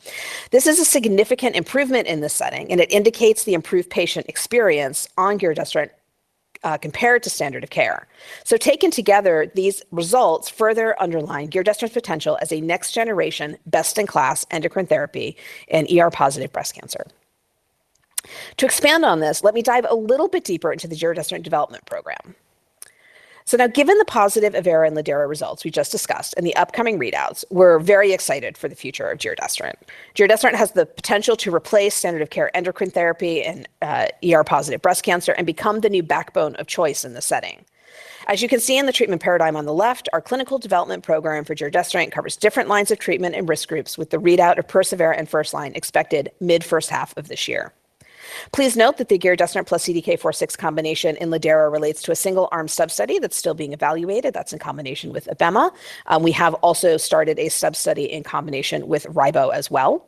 This is a significant improvement in this setting, and it indicates the improved patient experience on giredestrant compared to standard of care. So taken together, these results further underline giredestrant's potential as a next-generation best-in-class endocrine therapy in ER-positive breast cancer. To expand on this, let me dive a little bit deeper into the giredestrant development program. So now, given the positive acelERA and lidERA results we just discussed and the upcoming readouts, we're very excited for the future of giredestrant. Giredestrant has the potential to replace standard of care endocrine therapy in ER-positive breast cancer and become the new backbone of choice in this setting. As you can see in the treatment paradigm on the left, our clinical development program for Giredestrant covers different lines of treatment and risk groups with the readout of perSEVERA in first line expected mid-first half of this year. Please note that the Giredestrant plus CDK4/6 combination in lidERA relates to a single-arm sub-study that's still being evaluated. That's in combination with Abema. We have also started a sub-study in combination with Ribo as well.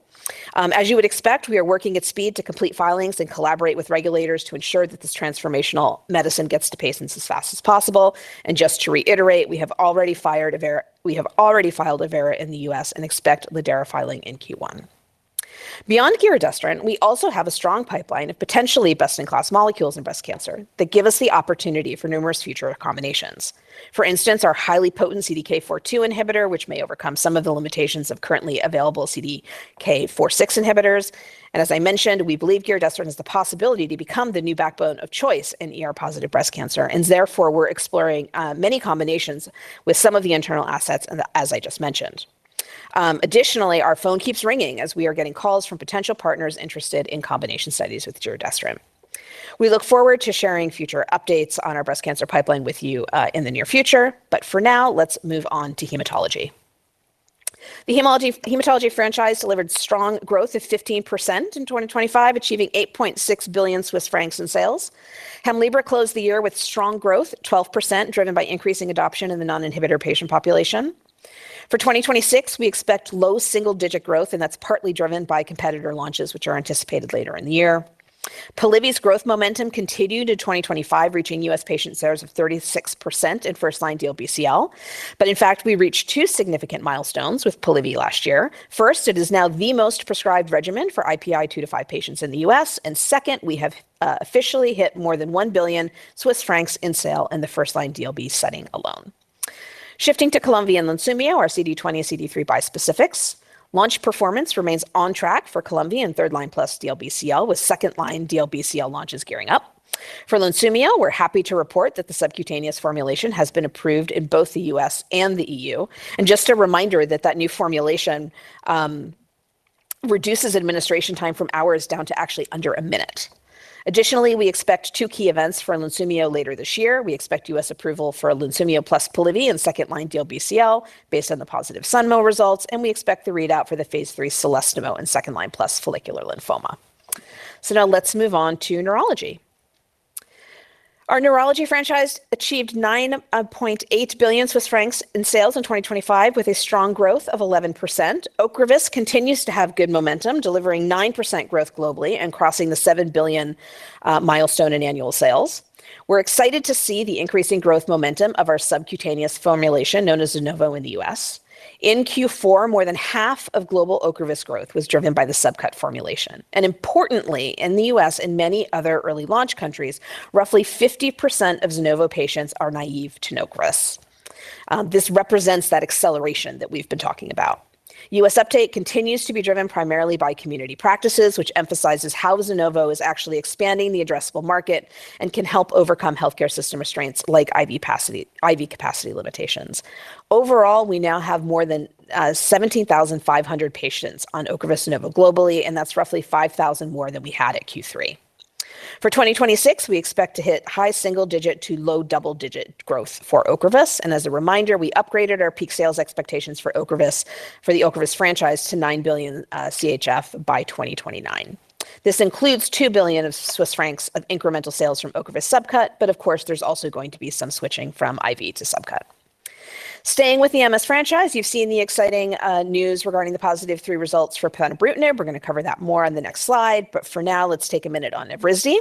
As you would expect, we are working at speed to complete filings and collaborate with regulators to ensure that this transformational medicine gets to patients as fast as possible. Just to reiterate, we have already filed acelERA in the US and expect lidERA filing in Q1. Beyond Giredestrant, we also have a strong pipeline of potentially best-in-class molecules in breast cancer that give us the opportunity for numerous future combinations. For instance, our highly potent CDK4/6 inhibitor, which may overcome some of the limitations of currently available CDK4/6 inhibitors. As I mentioned, we believe Giredestrant has the possibility to become the new backbone of choice in ER-positive breast cancer. Therefore, we're exploring many combinations with some of the internal assets, as I just mentioned. Additionally, our phone keeps ringing as we are getting calls from potential partners interested in combination studies with Giredestrant. We look forward to sharing future updates on our breast cancer pipeline with you in the near future. But for now, let's move on to hematology. The hematology franchise delivered strong growth of 15% in 2025, achieving 8.6 billion Swiss francs in sales. Hemlibra closed the year with strong growth, 12%, driven by increasing adoption in the non-inhibitor patient population. For 2026, we expect low single-digit growth, and that's partly driven by competitor launches, which are anticipated later in the year. Polivy's growth momentum continued in 2025, reaching U.S. patient shares of 36% in first-line DLBCL. But in fact, we reached two significant milestones with Polivy last year. First, it is now the most prescribed regimen for IPI 2 to 5 patients in the U.S. And second, we have officially hit more than 1 billion Swiss francs in sales in the first-line DLBCL setting alone. Shifting to Columvi and Lunsumio, our CD20 and CD3 bispecifics, launch performance remains on track for Columvi and third-line plus DLBCL, with second-line DLBCL launches gearing up. For Lunsumio, we're happy to report that the subcutaneous formulation has been approved in both the U.S. and the E.U. And just a reminder that that new formulation reduces administration time from hours down to actually under a minute. Additionally, we expect two key events for Lunsumio later this year. We expect U.S. approval for Lunsumio plus Polivy and second-line DLBCL based on the positive SUNMO results. And we expect the readout for the Phase 3 CELESTIMO and second-line plus follicular lymphoma. So now let's move on to neurology. Our neurology franchise achieved 9.8 billion Swiss francs in sales in 2025, with a strong growth of 11%. Ocrevus continues to have good momentum, delivering 9% growth globally and crossing the 7 billion milestone in annual sales. We're excited to see the increasing growth momentum of our subcutaneous formulation known as Zunovo in the U.S. In Q4, more than half of global Ocrevus growth was driven by the subcut formulation. Importantly, in the U.S. and many other early launch countries, roughly 50% of Zunovo patients are naive to Ocrevus. This represents that acceleration that we've been talking about. U.S. uptake continues to be driven primarily by community practices, which emphasizes how Zunovo is actually expanding the addressable market and can help overcome healthcare system restraints like IV capacity limitations. Overall, we now have more than 17,500 patients on Ocrevus Zunovo globally, and that's roughly 5,000 more than we had at Q3. For 2026, we expect to hit high single-digit to low double-digit growth for Ocrevus. And as a reminder, we upgraded our peak sales expectations for Ocrevus, for the Ocrevus franchise to 9 billion CHF by 2029. This includes 2 billion of incremental sales from Ocrevus subcut, but of course, there's also going to be some switching from IV to subcut. Staying with the MS franchise, you've seen the exciting news regarding the positive Phase 3 results for fenebrutinib. We're going to cover that more on the next slide. But for now, let's take a minute on Evrysdi.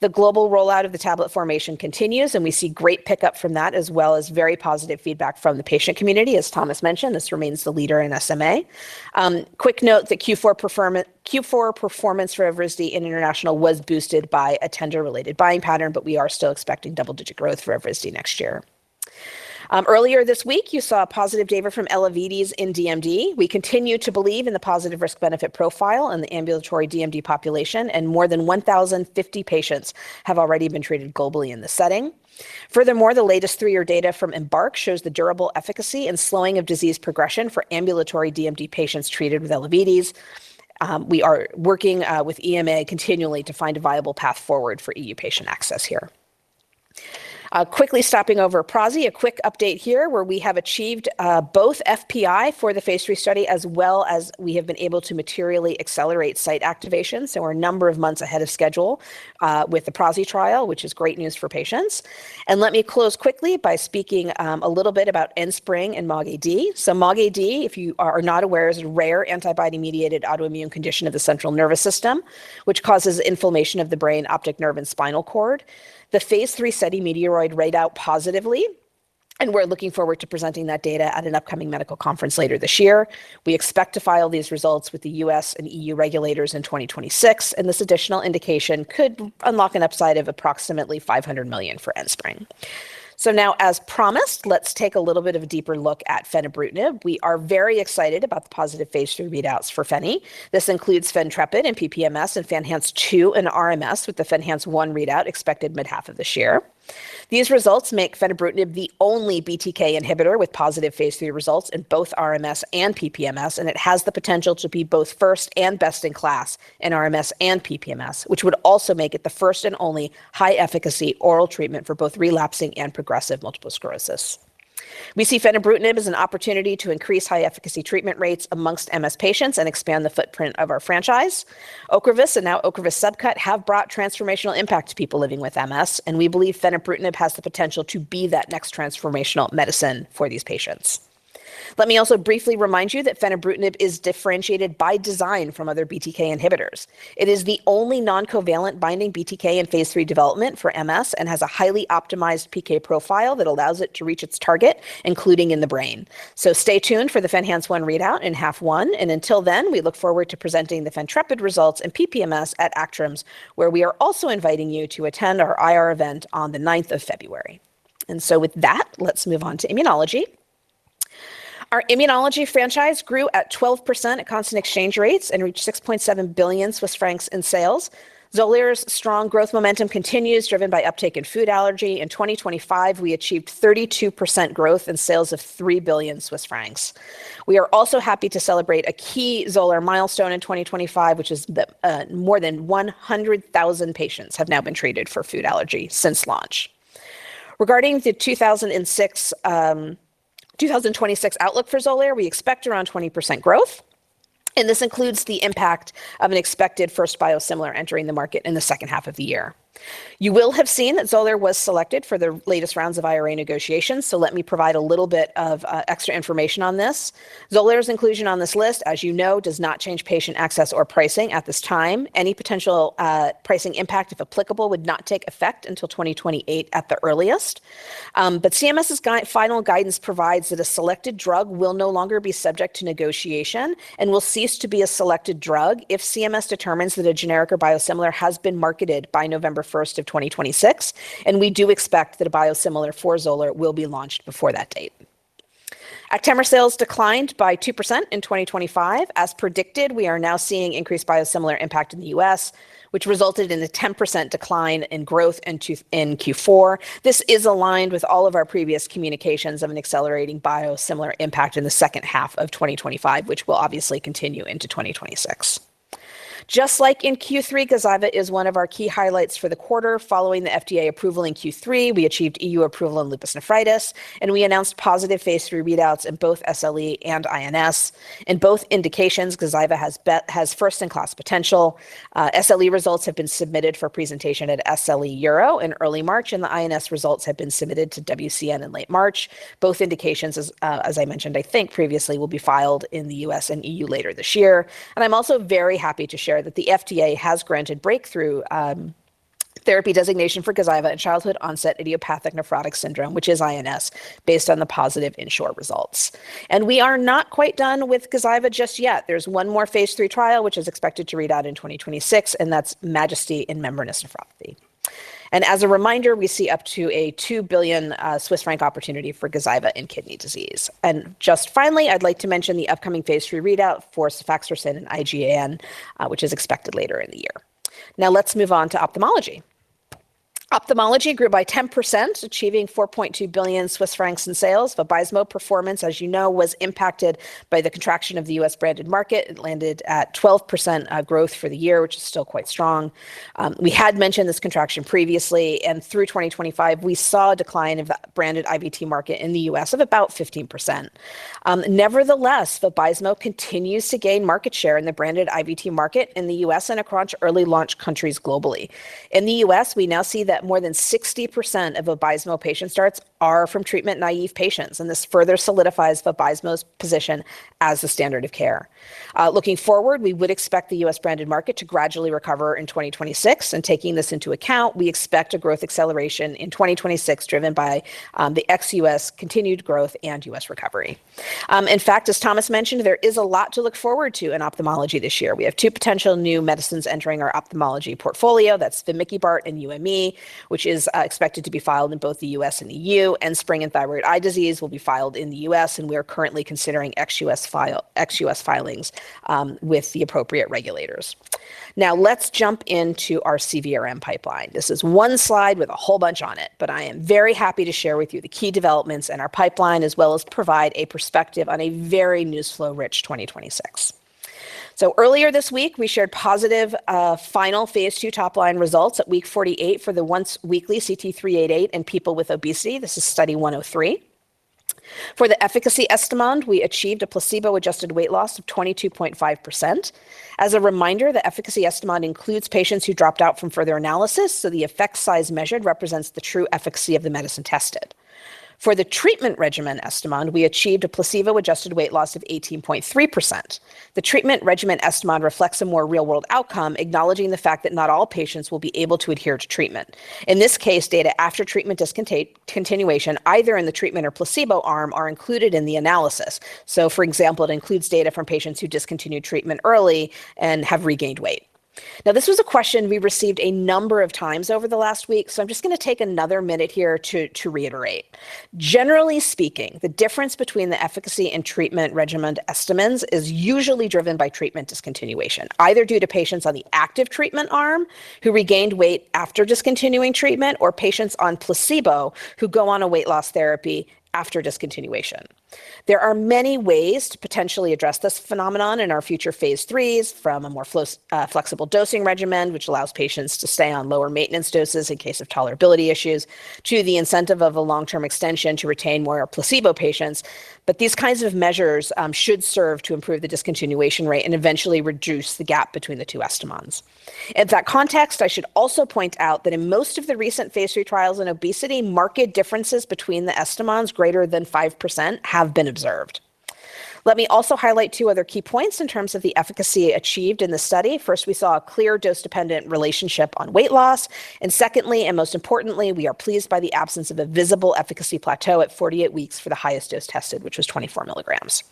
The global rollout of the tablet formulation continues, and we see great pickup from that, as well as very positive feedback from the patient community, as Thomas mentioned. This remains the leader in SMA. Quick note that Q4 performance for Evrysdi International was boosted by a tender-related buying pattern, but we are still expecting double-digit growth for Evrysdi next year. Earlier this week, you saw positive data from Elevidys in DMD. We continue to believe in the positive risk-benefit profile in the ambulatory DMD population, and more than 1,050 patients have already been treated globally in this setting. Furthermore, the latest three-year data from EMBARK shows the durable efficacy and slowing of disease progression for ambulatory DMD patients treated with Elevidys. We are working with EMA continually to find a viable path forward for EU patient access here. Quickly stopping over Prasi, a quick update here where we have achieved both FPI for the Phase 3 study, as well as we have been able to materially accelerate site activation. So we're a number of months ahead of schedule with the Prasi trial, which is great news for patients. And let me close quickly by speaking a little bit about Enspryng and MOGAD. So MOGAD, if you are not aware, is a rare antibody-mediated autoimmune condition of the central nervous system, which causes inflammation of the brain, optic nerve, and spinal cord. The Phase 3 study METEOROID readout positively, and we're looking forward to presenting that data at an upcoming medical conference later this year. We expect to file these results with the US and EU regulators in 2026, and this additional indication could unlock an upside of approximately 500 million for Enspryng. So now, as promised, let's take a little bit of a deeper look at fenebrutinib. We are very excited about the positive Phase 3 readouts for fenebrutinib. This includes FENtrepid in PPMS and FENhance 2 in RMS with the FENhance 1 readout expected mid-half of this year. These results make Fenebrutinib the only BTK inhibitor with positive Phase 3 results in both RMS and PPMS, and it has the potential to be both first and best in class in RMS and PPMS, which would also make it the first and only high-efficacy oral treatment for both relapsing and progressive multiple sclerosis. We see Fenebrutinib as an opportunity to increase high-efficacy treatment rates among MS patients and expand the footprint of our franchise. Ocrevus and now Ocrevus subcutaneous have brought transformational impact to people living with MS, and we believe Fenebrutinib has the potential to be that next transformational medicine for these patients. Let me also briefly remind you that Fenebrutinib is differentiated by design from other BTK inhibitors. It is the only non-covalent binding BTK in Phase 3 development for MS and has a highly optimized PK profile that allows it to reach its target, including in the brain. So stay tuned for the FENhance 1 readout in H1. And until then, we look forward to presenting the FENtrepid results and PPMS at ACTRIMS, where we are also inviting you to attend our IR event on the 9th of February. So with that, let's move on to immunology. Our immunology franchise grew at 12% at constant exchange rates and reached 6.7 billion Swiss francs in sales. Xolair's strong growth momentum continues, driven by uptake in food allergy. In 2025, we achieved 32% growth in sales of 3 billion Swiss francs. We are also happy to celebrate a key Xolair milestone in 2025, which is that more than 100,000 patients have now been treated for food allergy since launch. Regarding the 2026 outlook for Xolair, we expect around 20% growth, and this includes the impact of an expected first biosimilar entering the market in the second half of the year. You will have seen that Xolair was selected for the latest rounds of IRA negotiations, so let me provide a little bit of extra information on this. Xolair's inclusion on this list, as you know, does not change patient access or pricing at this time. Any potential pricing impact, if applicable, would not take effect until 2028 at the earliest. CMS's final guidance provides that a selected drug will no longer be subject to negotiation and will cease to be a selected drug if CMS determines that a generic or biosimilar has been marketed by November 1, 2026. We do expect that a biosimilar for Xolair will be launched before that date. Actemra sales declined by 2% in 2025. As predicted, we are now seeing increased biosimilar impact in the US, which resulted in a 10% decline in growth in Q4. This is aligned with all of our previous communications of an accelerating biosimilar impact in the second half of 2025, which will obviously continue into 2026. Just like in Q3, Gazyva is one of our key highlights for the quarter. Following the FDA approval in Q3, we achieved EU approval on lupus nephritis, and we announced positive Phase 3 readouts in both SLE and INS. In both indications, Gazyva has first-in-class potential. SLE results have been submitted for presentation at SLEuro in early March, and the INS results have been submitted to WCN in late March. Both indications, as I mentioned, I think previously will be filed in the US and EU later this year. I'm also very happy to share that the FDA has granted breakthrough therapy designation for Gazyva and childhood-onset idiopathic nephrotic syndrome, which is INS, based on the positive INSURE results. We are not quite done with Gazyva just yet. There's one more Phase 3 trial, which is expected to readout in 2026, and that's MAJESTY in membranous nephropathy. As a reminder, we see up to a 2 billion Swiss franc opportunity for Gazyva in kidney disease. Just finally, I'd like to mention the upcoming Phase 3 readout for Sefaxersen and IgAN, which is expected later in the year. Now let's move on to ophthalmology. Ophthalmology grew by 10%, achieving 4.2 billion Swiss francs in sales. But Vabysmo performance, as you know, was impacted by the contraction of the U.S. branded market. It landed at 12% growth for the year, which is still quite strong. We had mentioned this contraction previously, and through 2025, we saw a decline of that branded IVT market in the U.S. of about 15%. Nevertheless, the Vabysmo continues to gain market share in the branded IVT market in the U.S. and across early launch countries globally. In the U.S., we now see that more than 60% of the Vabysmo patient starts are from treatment-naive patients, and this further solidifies the Vabysmo's position as the standard of care. Looking forward, we would expect the U.S. branded market to gradually recover in 2026. Taking this into account, we expect a growth acceleration in 2026 driven by the ex-U.S. continued growth and U.S. recovery. In fact, as Thomas mentioned, there is a lot to look forward to in ophthalmology this year. We have two potential new medicines entering our ophthalmology portfolio. That's the Vamikibart in UME, which is expected to be filed in both the U.S. and EU. Enspryng and thyroid eye disease will be filed in the U.S., and we are currently considering ex-U.S. filings with the appropriate regulators. Now let's jump into our CVRM pipeline. This is one slide with a whole bunch on it, but I am very happy to share with you the key developments in our pipeline, as well as provide a perspective on a very newsflow-rich 2026. So earlier this week, we shared positive final Phase 2 top line results at week 48 for the once weekly CT-388 in people with obesity. This is study 103. For the efficacy estimand, we achieved a placebo-adjusted weight loss of 22.5%. As a reminder, the efficacy estimand includes patients who dropped out from further analysis, so the effect size measured represents the true efficacy of the medicine tested. For the treatment regimen estimand, we achieved a placebo-adjusted weight loss of 18.3%. The treatment regimen estimand reflects a more real-world outcome, acknowledging the fact that not all patients will be able to adhere to treatment. In this case, data after treatment discontinuation, either in the treatment or placebo arm, are included in the analysis. So, for example, it includes data from patients who discontinued treatment early and have regained weight. Now, this was a question we received a number of times over the last week, so I'm just going to take another minute here to reiterate. Generally speaking, the difference between the efficacy and treatment regimen estimands is usually driven by treatment discontinuation, either due to patients on the active treatment arm who regained weight after discontinuing treatment or patients on placebo who go on a weight loss therapy after discontinuation. There are many ways to potentially address this phenomenon in our future Phase 3s from a more flexible dosing regimen, which allows patients to stay on lower maintenance doses in case of tolerability issues, to the incentive of a long-term extension to retain more placebo patients. But these kinds of measures should serve to improve the discontinuation rate and eventually reduce the gap between the two estimands. In that context, I should also point out that in most of the recent Phase 3 trials in obesity, marked differences between the estimands greater than 5% have been observed. Let me also highlight two other key points in terms of the efficacy achieved in the study. First, we saw a clear dose-dependent relationship on weight loss. Secondly, and most importantly, we are pleased by the absence of a visible efficacy plateau at 48 weeks for the highest dose tested, which was 24 milligrams.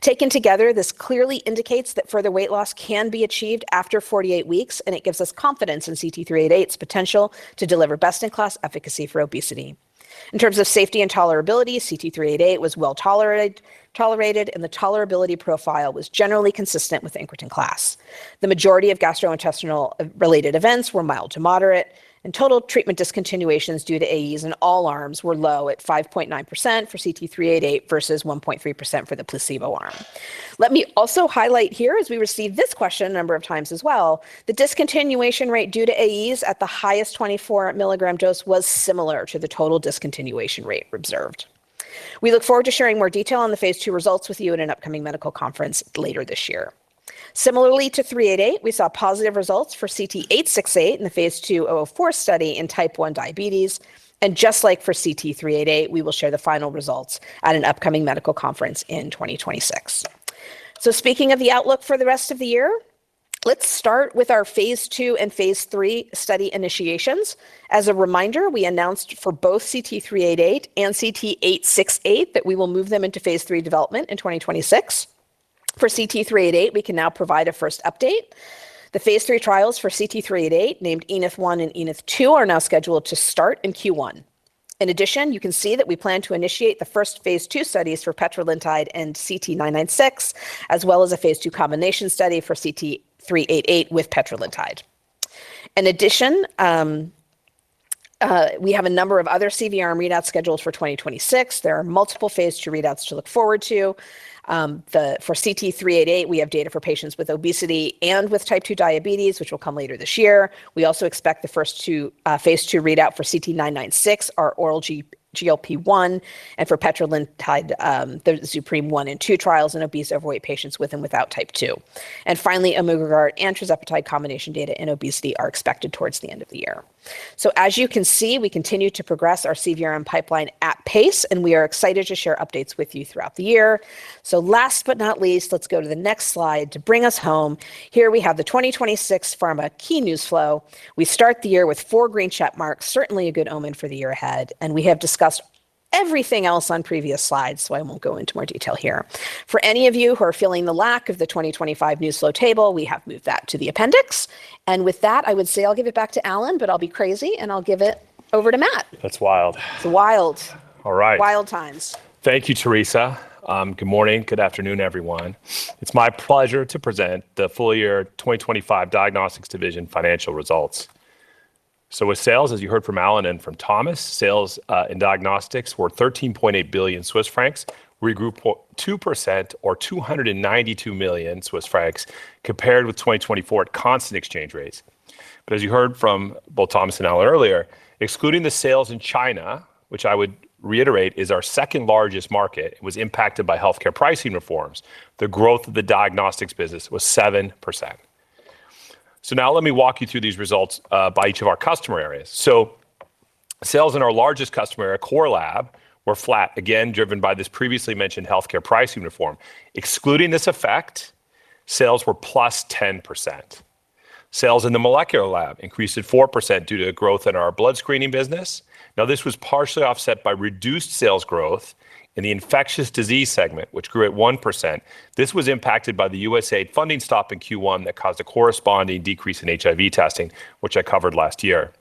Taken together, this clearly indicates that further weight loss can be achieved after 48 weeks, and it gives us confidence in CT-388's potential to deliver best-in-class efficacy for obesity. In terms of safety and tolerability, CT-388 was well tolerated, and the tolerability profile was generally consistent with incretin class. The majority of gastrointestinal-related events were mild to moderate, and total treatment discontinuations due to AEs in all arms were low at 5.9% for CT-388 versus 1.3% for the placebo arm. Let me also highlight here, as we received this question a number of times as well, the discontinuation rate due to AEs at the highest 24 milligram dose was similar to the total discontinuation rate observed. We look forward to sharing more detail on the Phase 2 results with you at an upcoming medical conference later this year. Similarly to 388, we saw positive results for CT-868 in the Phase 2 004 study in type 1 diabetes. And just like for CT-388, we will share the final results at an upcoming medical conference in 2026. So speaking of the outlook for the rest of the year, let's start with our Phase 2 and Phase 3 study initiations. As a reminder, we announced for both CT388 and CT868 that we will move them into Phase 3 development in 2026. For CT388, we can now provide a first update. The Phase 3 trials for CT388, named ENIF 1 and ENIF 2, are now scheduled to start in Q1. In addition, you can see that we plan to initiate the first Phase 2 studies for Petrelintide and CT996, as well as a Phase 2 combination study for CT388 with Petrelintide. In addition, we have a number of other CVRM readouts scheduled for 2026. There are multiple Phase 2 readouts to look forward to. For CT388, we have data for patients with obesity and with type 2 diabetes, which will come later this year. We also expect the first Phase 2 readout for CT-996, our oral GLP-1, and for Petrelintide, the ZUPREME 1 and 2 trials in obese overweight patients with and without type 2. Finally, amylin and tirzepatide combination data in obesity are expected towards the end of the year. So as you can see, we continue to progress our CVRM pipeline at pace, and we are excited to share updates with you throughout the year. So last but not least, let's go to the next slide to bring us home. Here we have the 2026 pharma key news flow. We start the year with four green check marks, certainly a good omen for the year ahead. We have discussed everything else on previous slides, so I won't go into more detail here. For any of you who are feeling the lack of the 2025 news flow table, we have moved that to the appendix. And with that, I would say I'll give it back to Alan, but I'll be crazy, and I'll give it over to Matt. That's wild. It's wild. All right. Wild times. Thank you, Teresa. Good morning. Good afternoon, everyone. It's my pleasure to present the full year 2025 Diagnostics Division financial results. With sales, as you heard from Alan and from Thomas, sales in diagnostics were 13.8 billion Swiss francs, grew 2% or 292 million Swiss francs, compared with 2024 at constant exchange rates. But as you heard from both Thomas and Alan earlier, excluding the sales in China, which I would reiterate is our second largest market, it was impacted by healthcare pricing reforms. The growth of the diagnostics business was 7%. So now let me walk you through these results by each of our customer areas. Sales in our largest customer area, Core Lab, were flat, again, driven by this previously mentioned healthcare pricing reform. Excluding this effect, sales were +10%. Sales in the molecular lab increased at 4% due to growth in our blood screening business. Now, this was partially offset by reduced sales growth in the infectious disease segment, which grew at 1%. This was impacted by the USAID funding stop in Q1 that caused a corresponding decrease in HIV testing, which I covered last year.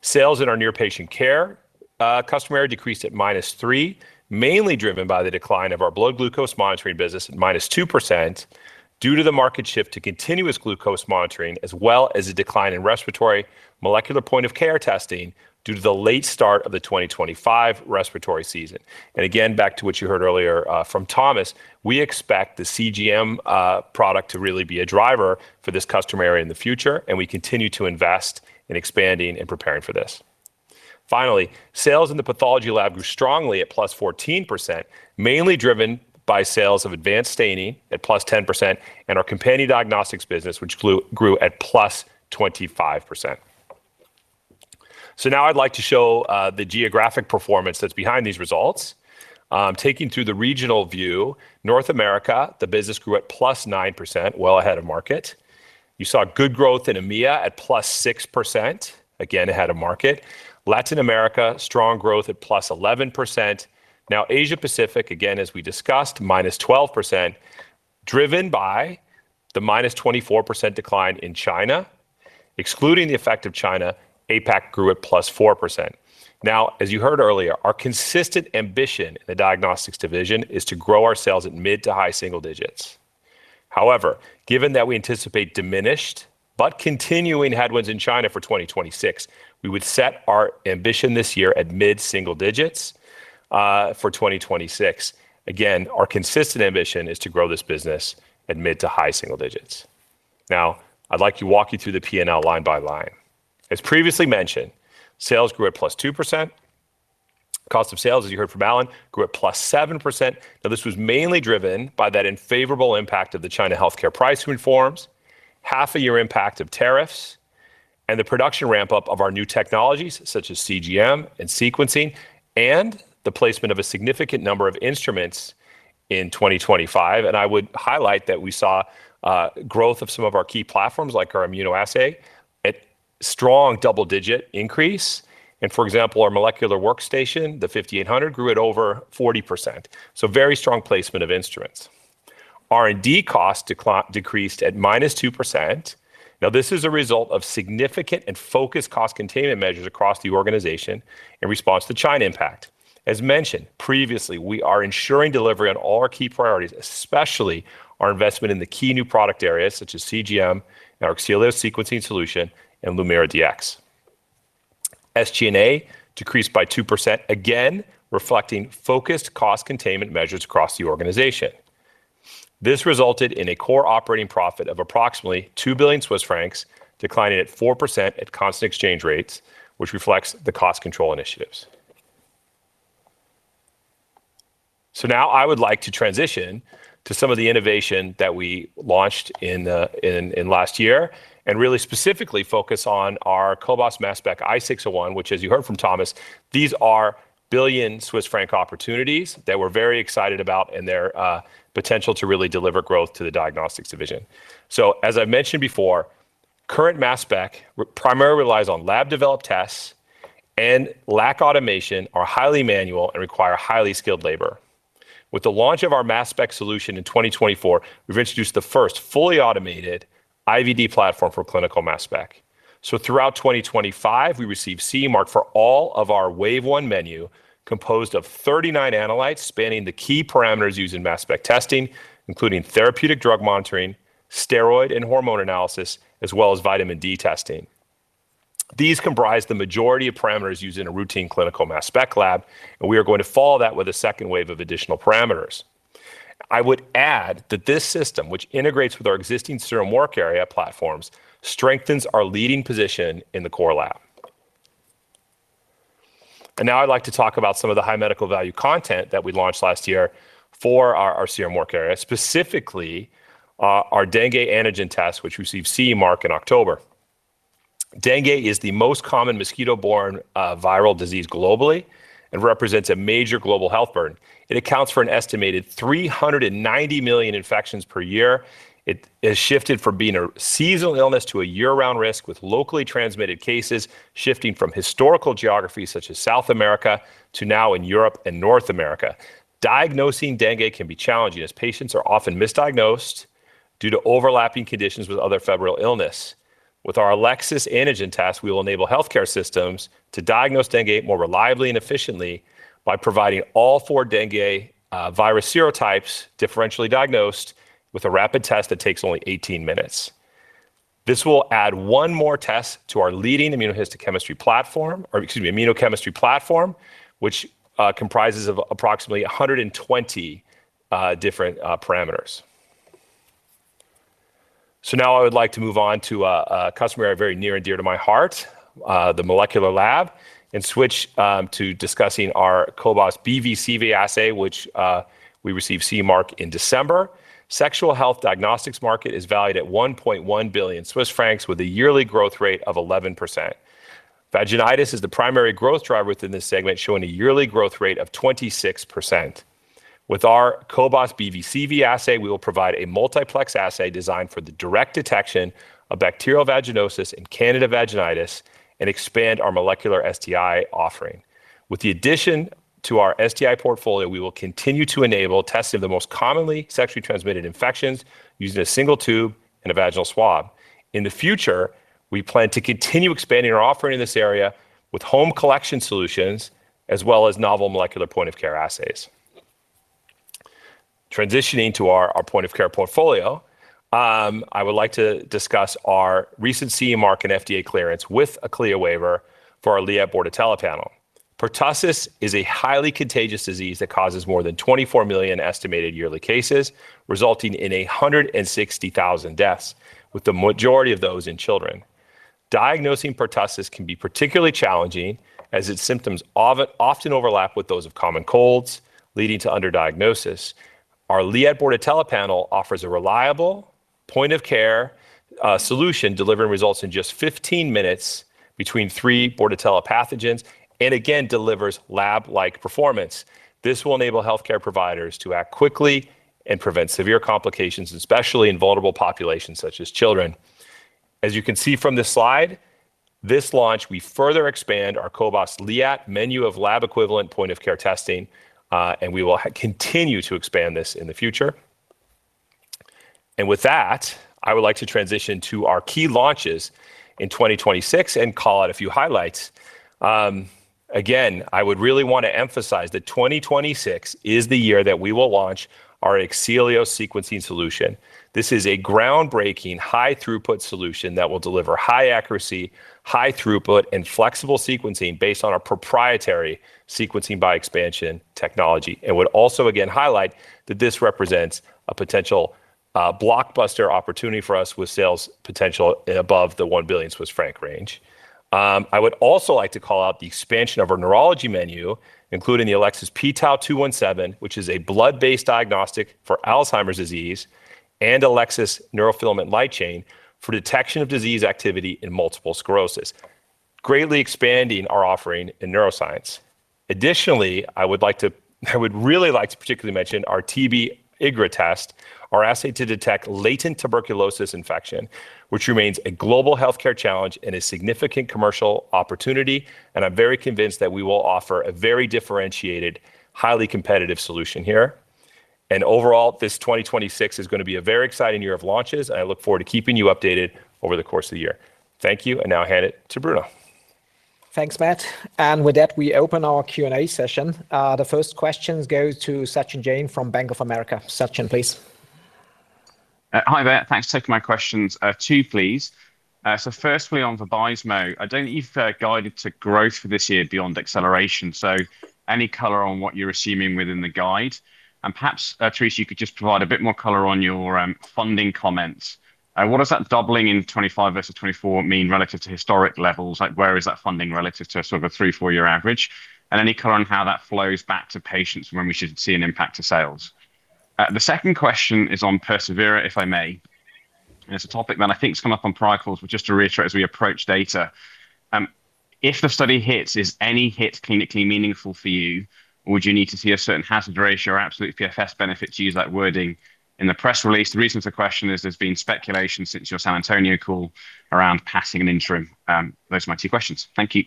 Sales in our near-patient care customer area decreased at -3%, mainly driven by the decline of our blood glucose monitoring business at -2% due to the market shift to continuous glucose monitoring, as well as a decline in respiratory molecular point of care testing due to the late start of the 2025 respiratory season. Again, back to what you heard earlier from Thomas, we expect the CGM product to really be a driver for this customer area in the future, and we continue to invest in expanding and preparing for this. Finally, sales in the pathology lab grew strongly at +14%, mainly driven by sales of advanced staining at +10% and our companion diagnostics business, which grew at +25%. Now I'd like to show the geographic performance that's behind these results. Taking through the regional view, North America, the business grew at +9%, well ahead of market. You saw good growth in EMEA at +6%, again ahead of market. Latin America, strong growth at +11%. Now, Asia-Pacific, again, as we discussed, -12%, driven by the -24% decline in China. Excluding the effect of China, APAC grew at +4%. Now, as you heard earlier, our consistent ambition in the diagnostics division is to grow our sales at mid to high single digits. However, given that we anticipate diminished but continuing headwinds in China for 2026, we would set our ambition this year at mid single digits for 2026. Again, our consistent ambition is to grow this business at mid to high single digits. Now, I'd like to walk you through the P&L line by line. As previously mentioned, sales grew at +2%. Cost of sales, as you heard from Alan, grew at +7%. Now, this was mainly driven by that unfavorable impact of the China healthcare pricing reforms, half a year impact of tariffs, and the production ramp-up of our new technologies such as CGM and sequencing, and the placement of a significant number of instruments in 2025. I would highlight that we saw growth of some of our key platforms like our immunoassay. A strong double-digit increase. For example, our molecular workstation, the 5800, grew at over 40%. So very strong placement of instruments. R&D costs decreased at -2%. Now, this is a result of significant and focused cost containment measures across the organization in response to China impact. As mentioned previously, we are ensuring delivery on all our key priorities, especially our investment in the key new product areas such as CGM, our SBB sequencing solution, and LumiraDx. SG&A decreased by 2%, again reflecting focused cost containment measures across the organization. This resulted in a core operating profit of approximately 2 billion Swiss francs, declining at 4% at constant exchange rates, which reflects the cost control initiatives. So now I would like to transition to some of the innovation that we launched in last year and really specifically focus on our Cobas Mass Spec e601, which, as you heard from Thomas, these are 1 billion Swiss franc opportunities that we're very excited about and their potential to really deliver growth to the diagnostics division. So, as I've mentioned before, current mass spec primarily relies on lab-developed tests and lack automation, are highly manual and require highly skilled labor. With the launch of our Mass Spec solution in 2024, we've introduced the first fully automated IVD platform for clinical Mass Spec. So throughout 2025, we received CE mark for all of our wave one menu composed of 39 analytes spanning the key parameters used in Mass Spec testing, including therapeutic drug monitoring, steroid and hormone analysis, as well as vitamin D testing. These comprise the majority of parameters used in a routine clinical Mass Spec lab, and we are going to follow that with a second wave of additional parameters. I would add that this system, which integrates with our existing cobas work area platforms, strengthens our leading position in the Core Lab. And now I'd like to talk about some of the high medical value content that we launched last year for our cobas work area, specifically our dengue antigen test, which received CE mark in October. Dengue is the most common mosquito-borne viral disease globally and represents a major global health burden. It accounts for an estimated 390 million infections per year. It has shifted from being a seasonal illness to a year-round risk, with locally transmitted cases shifting from historical geographies such as South America to now in Europe and North America. Diagnosing dengue can be challenging as patients are often misdiagnosed due to overlapping conditions with other febrile illness. With our Elecsys Dengue antigen test, we will enable healthcare systems to diagnose dengue more reliably and efficiently by providing all four dengue virus serotypes differentially diagnosed with a rapid test that takes only 18 minutes. This will add one more test to our leading immunohistochemistry platform, or excuse me, immunochemistry platform, which comprises of approximately 120 different parameters. So now I would like to move on to a customer area very near and dear to my heart, the molecular lab, and switch to discussing our cobas BV/CV assay, which we received CE mark in December. Sexual health diagnostics market is valued at 1.1 billion Swiss francs, with a yearly growth rate of 11%. Vaginitis is the primary growth driver within this segment, showing a yearly growth rate of 26%. With our cobas BV/CV assay, we will provide a multiplex assay designed for the direct detection of bacterial vaginosis and Candida vaginitis and expand our molecular STI offering. With the addition to our STI portfolio, we will continue to enable testing of the most commonly sexually transmitted infections using a single tube and a vaginal swab. In the future, we plan to continue expanding our offering in this area with home collection solutions, as well as novel molecular point of care assays. Transitioning to our point of care portfolio, I would like to discuss our recent CE mark and FDA clearance with a CLIA waiver for our Cobas Liat Bordetella panel. Pertussis is a highly contagious disease that causes more than 24 million estimated yearly cases, resulting in 160,000 deaths, with the majority of those in children. Diagnosing pertussis can be particularly challenging as its symptoms often overlap with those of common colds, leading to underdiagnosis. Our Cobas Liat Bordetella panel offers a reliable point of care solution, delivering results in just 15 minutes between three Bordetella pathogens and again delivers lab-like performance. This will enable healthcare providers to act quickly and prevent severe complications, especially in vulnerable populations such as children. As you can see from this slide, this launch, we further expand our cobas Liat menu of lab-equivalent point of care testing, and we will continue to expand this in the future. And with that, I would like to transition to our key launches in 2026 and call out a few highlights. Again, I would really want to emphasize that 2026 is the year that we will launch our SBX sequencing solution. This is a groundbreaking high-throughput solution that will deliver high accuracy, high throughput, and flexible sequencing based on our proprietary sequencing by expansion technology. And would also again highlight that this represents a potential blockbuster opportunity for us with sales potential above the 1 billion Swiss franc range. I would also like to call out the expansion of our neurology menu, including the Elecsys pTau217, which is a blood-based diagnostic for Alzheimer's disease, and Elecsys Neurofilament Light Chain for detection of disease activity in multiple sclerosis, greatly expanding our offering in neuroscience. Additionally, I would like to, I would really like to particularly mention our TB Igra test, our assay to detect latent tuberculosis infection, which remains a global healthcare challenge and a significant commercial opportunity. And I'm very convinced that we will offer a very differentiated, highly competitive solution here. And overall, this 2026 is going to be a very exciting year of launches, and I look forward to keeping you updated over the course of the year. Thank you, and now I'll hand it to Bruno. Thanks, Matt. And with that, we open our Q&A session. The first question goes to Sachin Jain from Bank of America. Sachin, please. Hi there. Thanks for taking my questions. Two, please. So firstly, on Vabysmo, I don't know if guided to growth for this year beyond acceleration. So any color on what you're assuming within the guide? And perhaps, Teresa, you could just provide a bit more color on your funding comments. What does that doubling in 2025 versus 2024 mean relative to historic levels? Like, where is that funding relative to sort of a three, four-year average? And any color on how that flows back to patients when we should see an impact to sales? The second question is on perSEVERA, if I may. And it's a topic that I think has come up on prior calls, but just to reiterate as we approach data. If the study hits, is any hit clinically meaningful for you, or would you need to see a certain hazard ratio or absolute PFS benefit to use that wording in the press release? The reason for the question is there's been speculation since your San Antonio call around passing an interim. Those are my two questions. Thank you.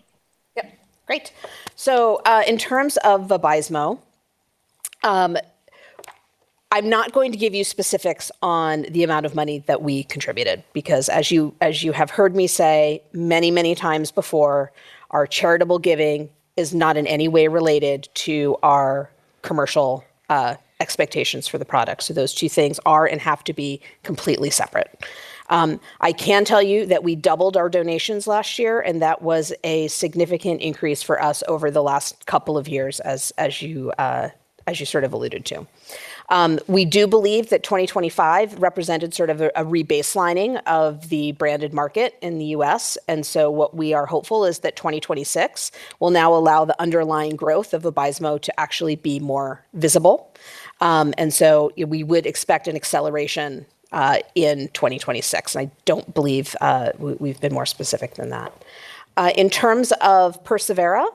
Yep. Great. So in terms of Vabysmo, I'm not going to give you specifics on the amount of money that we contributed because, as you have heard me say many, many times before, our charitable giving is not in any way related to our commercial expectations for the products. So those two things are and have to be completely separate. I can tell you that we doubled our donations last year, and that was a significant increase for us over the last couple of years, as you sort of alluded to. We do believe that 2025 represented sort of a rebaselining of the branded market in the U.S. So what we are hopeful is that 2026 will now allow the underlying growth of Vabysmo to actually be more visible. So we would expect an acceleration in 2026. I don't believe we've been more specific than that. In terms of perSEVERA,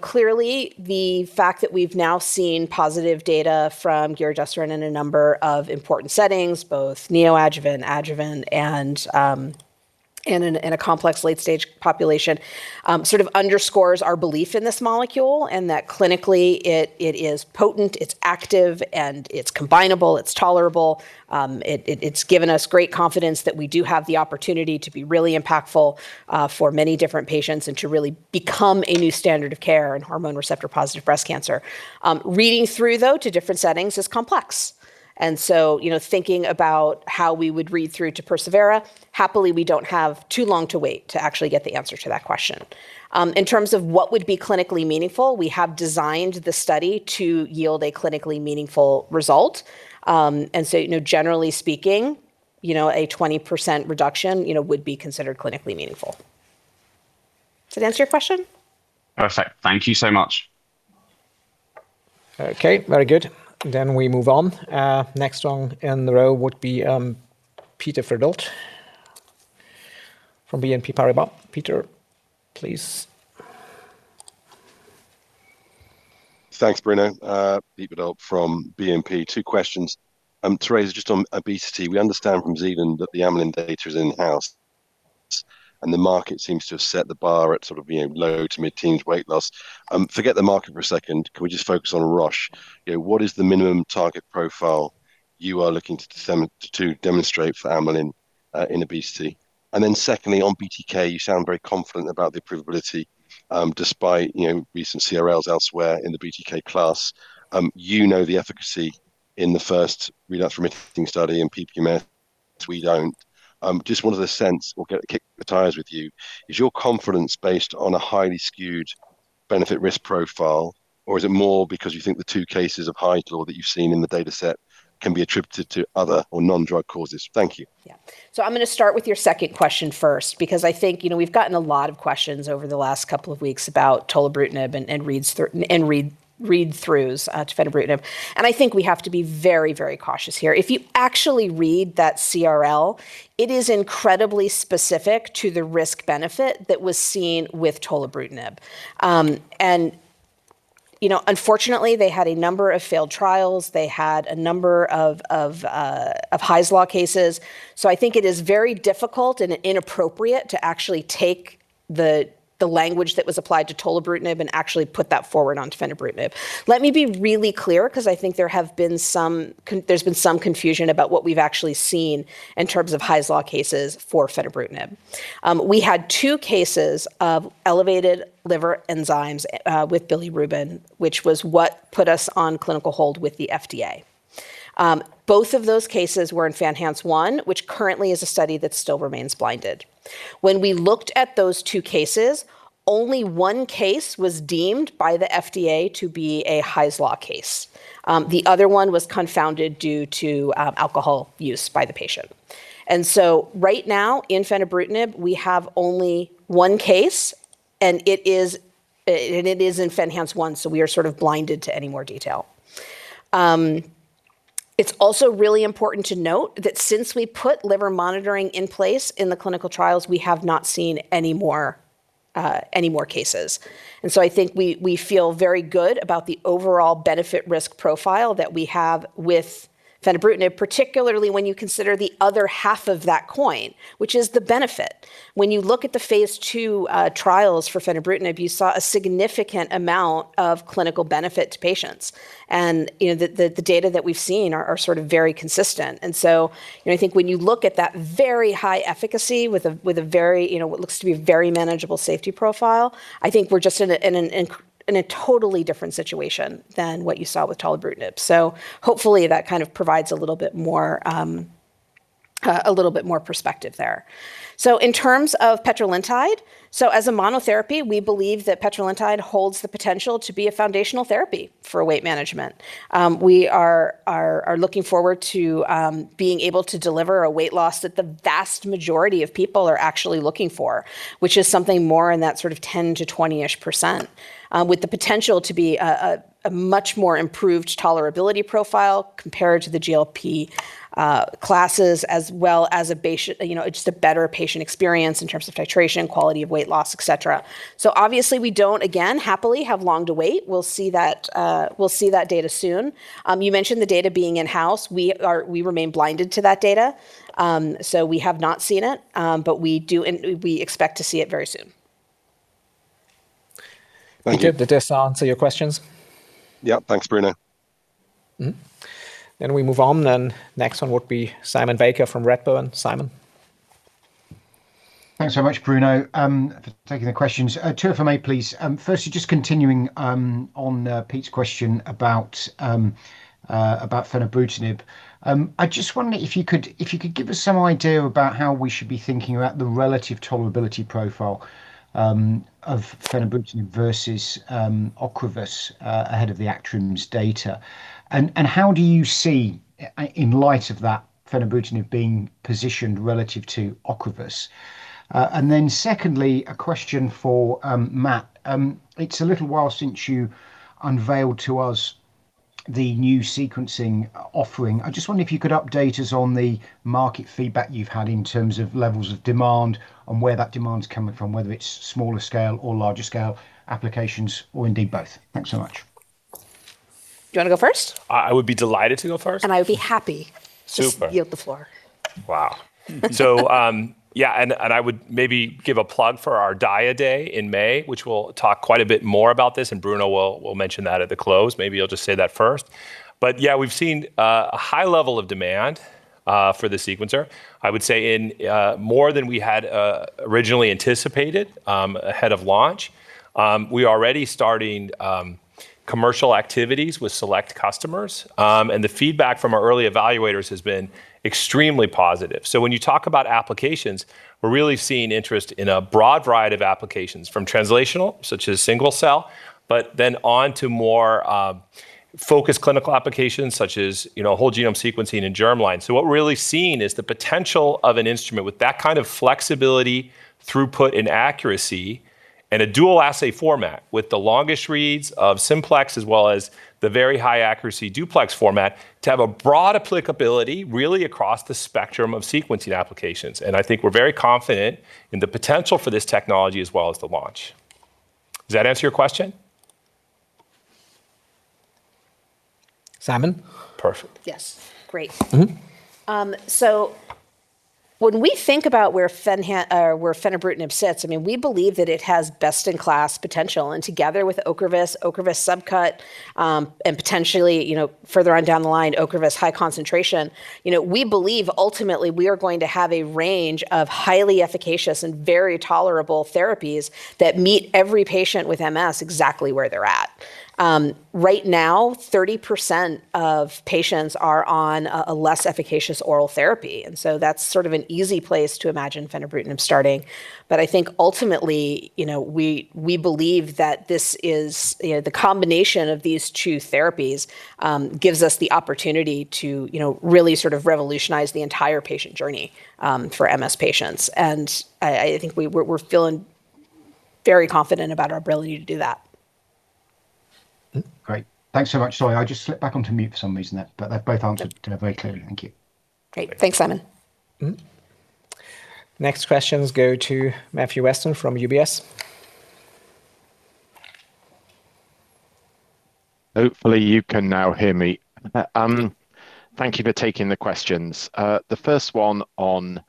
clearly the fact that we've now seen positive data from giredestrant in a number of important settings, both neoadjuvant, adjuvant, and in a complex late-stage population, sort of underscores our belief in this molecule and that clinically it is potent, it's active, and it's combinable, it's tolerable. It's given us great confidence that we do have the opportunity to be really impactful for many different patients and to really become a new standard of care in hormone receptor-positive breast cancer. Reading through, though, to different settings is complex. So thinking about how we would read through to perSEVERA, happily we don't have too long to wait to actually get the answer to that question. In terms of what would be clinically meaningful, we have designed the study to yield a clinically meaningful result. So generally speaking, a 20% reduction would be considered clinically meaningful. Does that answer your question? Perfect. Thank you so much. Okay, very good. Then we move on. Next one in the row would be Peter Verdult from BNP Paribas. Peter, please. Thanks, Bruno. Peter Verdult from BNP Paribas. Two questions. Teresa, just on obesity, we understand from Zealand that the Amylin data is in-house. And the market seems to have set the bar at sort of low to mid-teens weight loss. Forget the market for a second. Can we just focus on Roche? What is the minimum target profile you are looking to demonstrate for Amylin in obesity? And then secondly, on BTK, you sound very confident about the approvability despite recent CRLs elsewhere in the BTK class. You know the efficacy in the first relapsing-remitting study and PPMS, we don't. Just wanted to get a sense, or kick the tires with you, is your confidence based on a highly skewed benefit-risk profile, or is it more because you think the two cases of Hy's law that you've seen in the dataset can be attributed to other or non-drug causes? Thank you. Yeah. So I'm going to start with your second question first because I think we've gotten a lot of questions over the last couple of weeks about tolabrutinib and read-throughs to fenebrutinib. And I think we have to be very, very cautious here. If you actually read that CRL, it is incredibly specific to the risk-benefit that was seen with tolebrutinib. Unfortunately, they had a number of failed trials. They had a number of Hy's law cases. I think it is very difficult and inappropriate to actually take the language that was applied to tolebrutinib and actually put that forward onto fenebrutinib. Let me be really clear because I think there have been some, there's been some confusion about what we've actually seen in terms of Hy's law cases for fenebrutinib. We had two cases of elevated liver enzymes with bilirubin, which was what put us on clinical hold with the FDA. Both of those cases were in FENhance 1, which currently is a study that still remains blinded. When we looked at those two cases, only one case was deemed by the FDA to be a Hy's law case. The other one was confounded due to alcohol use by the patient. So right now in fenebrutinib, we have only one case, and it is in FENhance one, so we are sort of blinded to any more detail. It's also really important to note that since we put liver monitoring in place in the clinical trials, we have not seen any more cases. So I think we feel very good about the overall benefit-risk profile that we have with fenebrutinib, particularly when you consider the other half of that coin, which is the benefit. When you look at the Phase 2 trials for fenebrutinib, you saw a significant amount of clinical benefit to patients. And the data that we've seen are sort of very consistent. And so I think when you look at that very high efficacy with a very, what looks to be a very manageable safety profile, I think we're just in a totally different situation than what you saw with Tolabrutinib. So hopefully that kind of provides a little bit more, a little bit more perspective there. So in terms of Petrelintide, so as a monotherapy, we believe that Petrelintide holds the potential to be a foundational therapy for weight management. We are looking forward to being able to deliver a weight loss that the vast majority of people are actually looking for, which is something more in that sort of 10%-20%-ish, with the potential to be a much more improved tolerability profile compared to the GLP classes, as well as a, it's just a better patient experience in terms of titration, quality of weight loss, et cetera. So obviously we don't, again, happily have long to wait. We'll see that data soon. You mentioned the data being in-house. We remain blinded to that data, so we have not seen it, but we expect to see it very soon. Thank you. Did this answer your questions? Yep. Thanks, Bruno. And we move on then. Next one would be Simon Baker from Redburn. Simon. Thanks so much, Bruno, for taking the questions. Two if I may, please. Firstly, just continuing on Pete's question about Fenebrutinib, I just wondered if you could give us some idea about how we should be thinking about the relative tolerability profile of Fenebrutinib versus Ocrevus ahead of the FENhance's data. And how do you see, in light of that, Fenebrutinib being positioned relative to Ocrevus? And then secondly, a question for Matt. It's a little while since you unveiled to us the new sequencing offering. I just wondered if you could update us on the market feedback you've had in terms of levels of demand and where that demand's coming from, whether it's smaller scale or larger scale applications or indeed both. Thanks so much. Do you want to go first? I would be delighted to go first. And I would be happy to yield the floor. Wow. So yeah, and I would maybe give a plug for our Diagnostics Day in May, which we'll talk quite a bit more about this, and Bruno will mention that at the close. Maybe he'll just say that first. But yeah, we've seen a high level of demand for the sequencer, I would say, in more than we had originally anticipated ahead of launch. We are already starting commercial activities with select customers, and the feedback from our early evaluators has been extremely positive. So when you talk about applications, we're really seeing interest in a broad variety of applications from translational, such as single-cell, but then on to more focused clinical applications, such as whole genome sequencing and germline. So what we're really seeing is the potential of an instrument with that kind of flexibility, throughput, and accuracy, and a dual assay format with the longest reads of simplex as well as the very high accuracy duplex format to have a broad applicability really across the spectrum of sequencing applications. And I think we're very confident in the potential for this technology as well as the launch. Does that answer your question? Simon? Perfect. Yes. Great. So when we think about where Fenebrutinib sits, I mean, we believe that it has best-in-class potential. And together with Ocrevus, Ocrevus subcut, and potentially further on down the line, Ocrevus high concentration, we believe ultimately we are going to have a range of highly efficacious and very tolerable therapies that meet every patient with MS exactly where they're at. Right now, 30% of patients are on a less efficacious oral therapy. And so that's sort of an easy place to imagine fenebrutinib starting. But I think ultimately we believe that this is the combination of these two therapies gives us the opportunity to really sort of revolutionize the entire patient journey for MS patients. And I think we're feeling very confident about our ability to do that. Great. Thanks so much, Zoe. I just slipped back onto mute for some reason there, but they've both answered very clearly. Thank you. Great. Thanks, Simon. Next questions go to Matthew Weston from UBS. Hopefully you can now hear me. Thank you for taking the questions. The first one on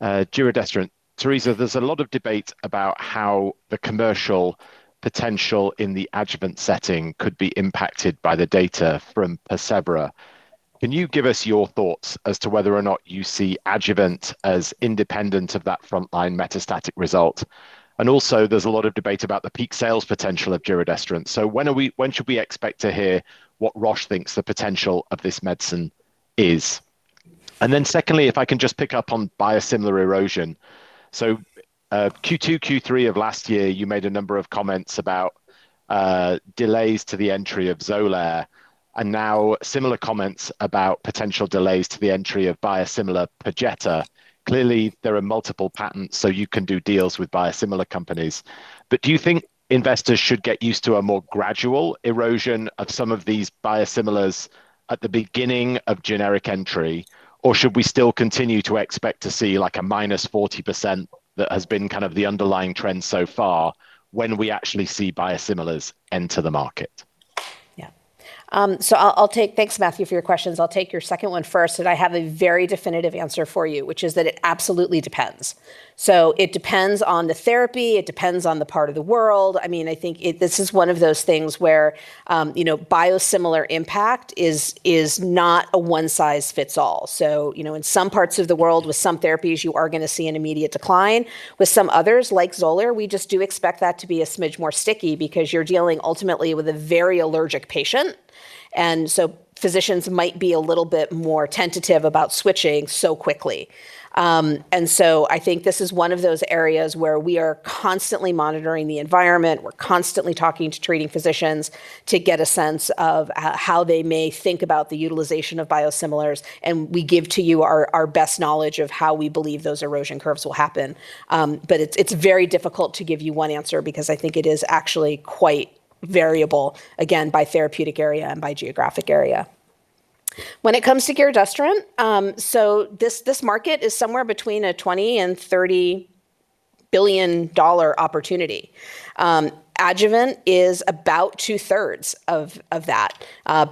giredestrant. Teresa, there's a lot of debate about how the commercial potential in the adjuvant setting could be impacted by the data from perSEVERA. Can you give us your thoughts as to whether or not you see adjuvant as independent of that frontline metastatic result? And also, there's a lot of debate about the peak sales potential of giredestrant. So when should we expect to hear what Roche thinks the potential of this medicine is? And then secondly, if I can just pick up on biosimilar erosion. So Q2, Q3 of last year, you made a number of comments about delays to the entry of Xolair, and now similar comments about potential delays to the entry of biosimilar Perjeta. Clearly, there are multiple patents, so you can do deals with biosimilar companies. But do you think investors should get used to a more gradual erosion of some of these biosimilars at the beginning of generic entry, or should we still continue to expect to see like a -40% that has been kind of the underlying trend so far when we actually see biosimilars enter the market? Yeah. So I'll take, thanks, Matthew, for your questions. I'll take your second one first. I have a very definitive answer for you, which is that it absolutely depends. So it depends on the therapy. It depends on the part of the world. I mean, I think this is one of those things where biosimilar impact is not a one-size-fits-all. So in some parts of the world, with some therapies, you are going to see an immediate decline. With some others, like Xolair, we just do expect that to be a smidge more sticky because you're dealing ultimately with a very allergic patient. And so physicians might be a little bit more tentative about switching so quickly. And so I think this is one of those areas where we are constantly monitoring the environment. We're constantly talking to treating physicians to get a sense of how they may think about the utilization of biosimilars. And we give to you our best knowledge of how we believe those erosion curves will happen. But it's very difficult to give you one answer because I think it is actually quite variable, again, by therapeutic area and by geographic area. When it comes to giredestrant, so this market is somewhere between a $20-$30 billion opportunity. Adjuvant is about two-thirds of that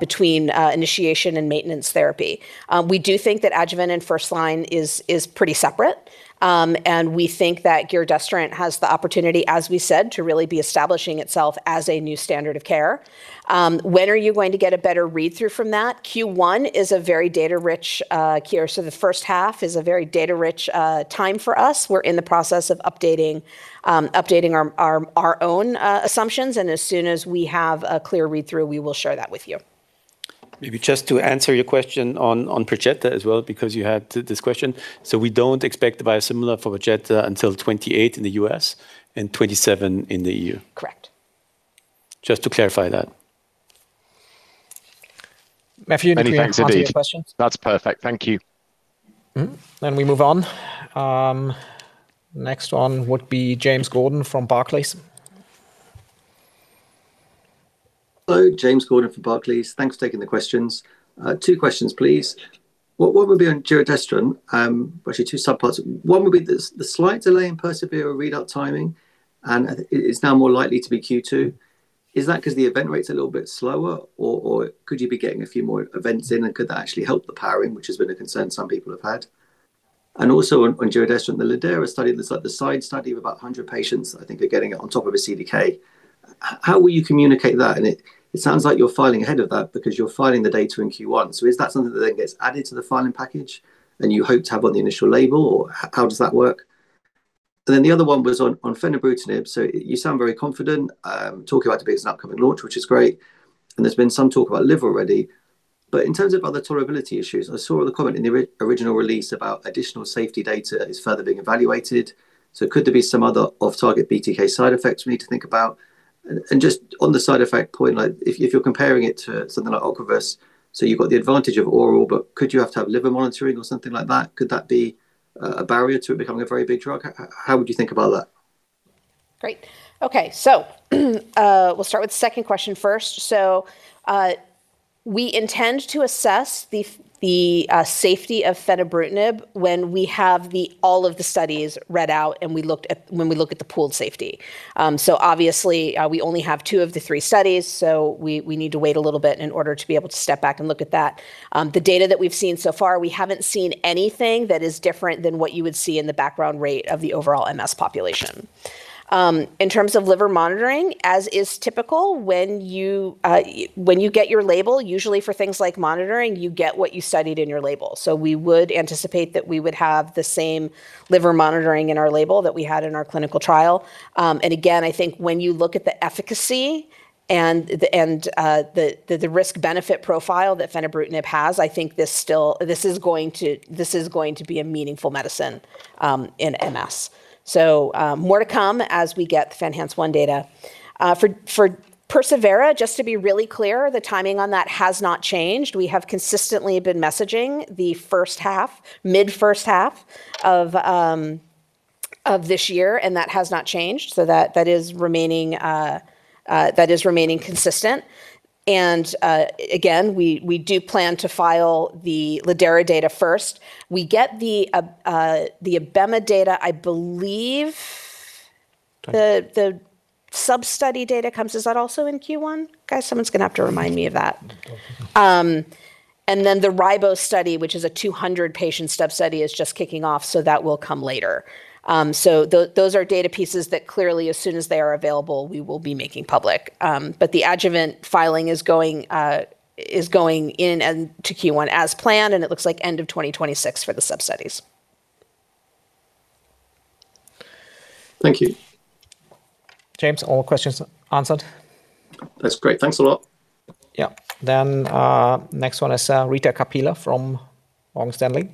between initiation and maintenance therapy. We do think that adjuvant and first-line is pretty separate. We think that giredestrant has the opportunity, as we said, to really be establishing itself as a new standard of care. When are you going to get a better read-through from that? Q1 is a very data-rich year. The first half is a very data-rich time for us. We're in the process of updating our own assumptions. As soon as we have a clear read-through, we will share that with you. Maybe just to answer your question on Perjeta as well, because you had this question. We don't expect the biosimilar for Perjeta until 2028 in the U.S. and 2027 in the E.U. Correct. Just to clarify that. Matthew, anything else? That's perfect. Thank you. We move on. Next one would be James Gordon from Barclays. Hello. James Gordon from Barclays. Thanks for taking the questions. Two questions, please. What will be on giredestrant? Actually, two subparts. One would be the slight delay in perSEVERA readout timing, and it's now more likely to be Q2. Is that because the event rate's a little bit slower, or could you be getting a few more events in, and could that actually help the powering, which has been a concern some people have had? And also on giredestrant, the lidERA study, there's like the side study of about 100 patients. I think they're getting it on top of a CDK. How will you communicate that? And it sounds like you're filing ahead of that because you're filing the data in Q1. So is that something that then gets added to the filing package and you hope to have on the initial label, or how does that work? And then the other one was on fenebrutinib. So you sound very confident talking about it being an upcoming launch, which is great. And there's been some talk about liver already. But in terms of other tolerability issues, I saw the comment in the original release about additional safety data is further being evaluated. So could there be some other off-target BTK side effects we need to think about? And just on the side effect point, if you're comparing it to something like Ocrevus, so you've got the advantage of oral, but could you have to have liver monitoring or something like that? Could that be a barrier to it becoming a very big drug? How would you think about that? Great. Okay. So we'll start with the second question first. So we intend to assess the safety of fenebrutinib when we have all of the studies read out and when we look at the pooled safety. So obviously, we only have two of the three studies, so we need to wait a little bit in order to be able to step back and look at that. The data that we've seen so far, we haven't seen anything that is different than what you would see in the background rate of the overall MS population. In terms of liver monitoring, as is typical, when you get your label, usually for things like monitoring, you get what you studied in your label. So we would anticipate that we would have the same liver monitoring in our label that we had in our clinical trial. And again, I think when you look at the efficacy and the risk-benefit profile that fenebrutinib has, I think this is going to be a meaningful medicine in MS. So more to come as we get the FENhance 1 data. For perSEVERA, just to be really clear, the timing on that has not changed. We have consistently been messaging the first half, mid-first half of this year, and that has not changed. So that is remaining consistent. And again, we do plan to file the lidERA data first. We get the abemaciclib data, I believe the sub-study data comes. Is that also in Q1? Guys, someone's going to have to remind me of that. And then the ribociclib study, which is a 200-patient step study, is just kicking off, so that will come later. So those are data pieces that clearly, as soon as they are available, we will be making public. But the adjuvant filing is going into Q1 as planned, and it looks like end of 2026 for the sub-studies. Thank you. James, all questions answered? That's great. Thanks a lot. Yeah. Then next one is Sarita Kapila from Morgan Stanley.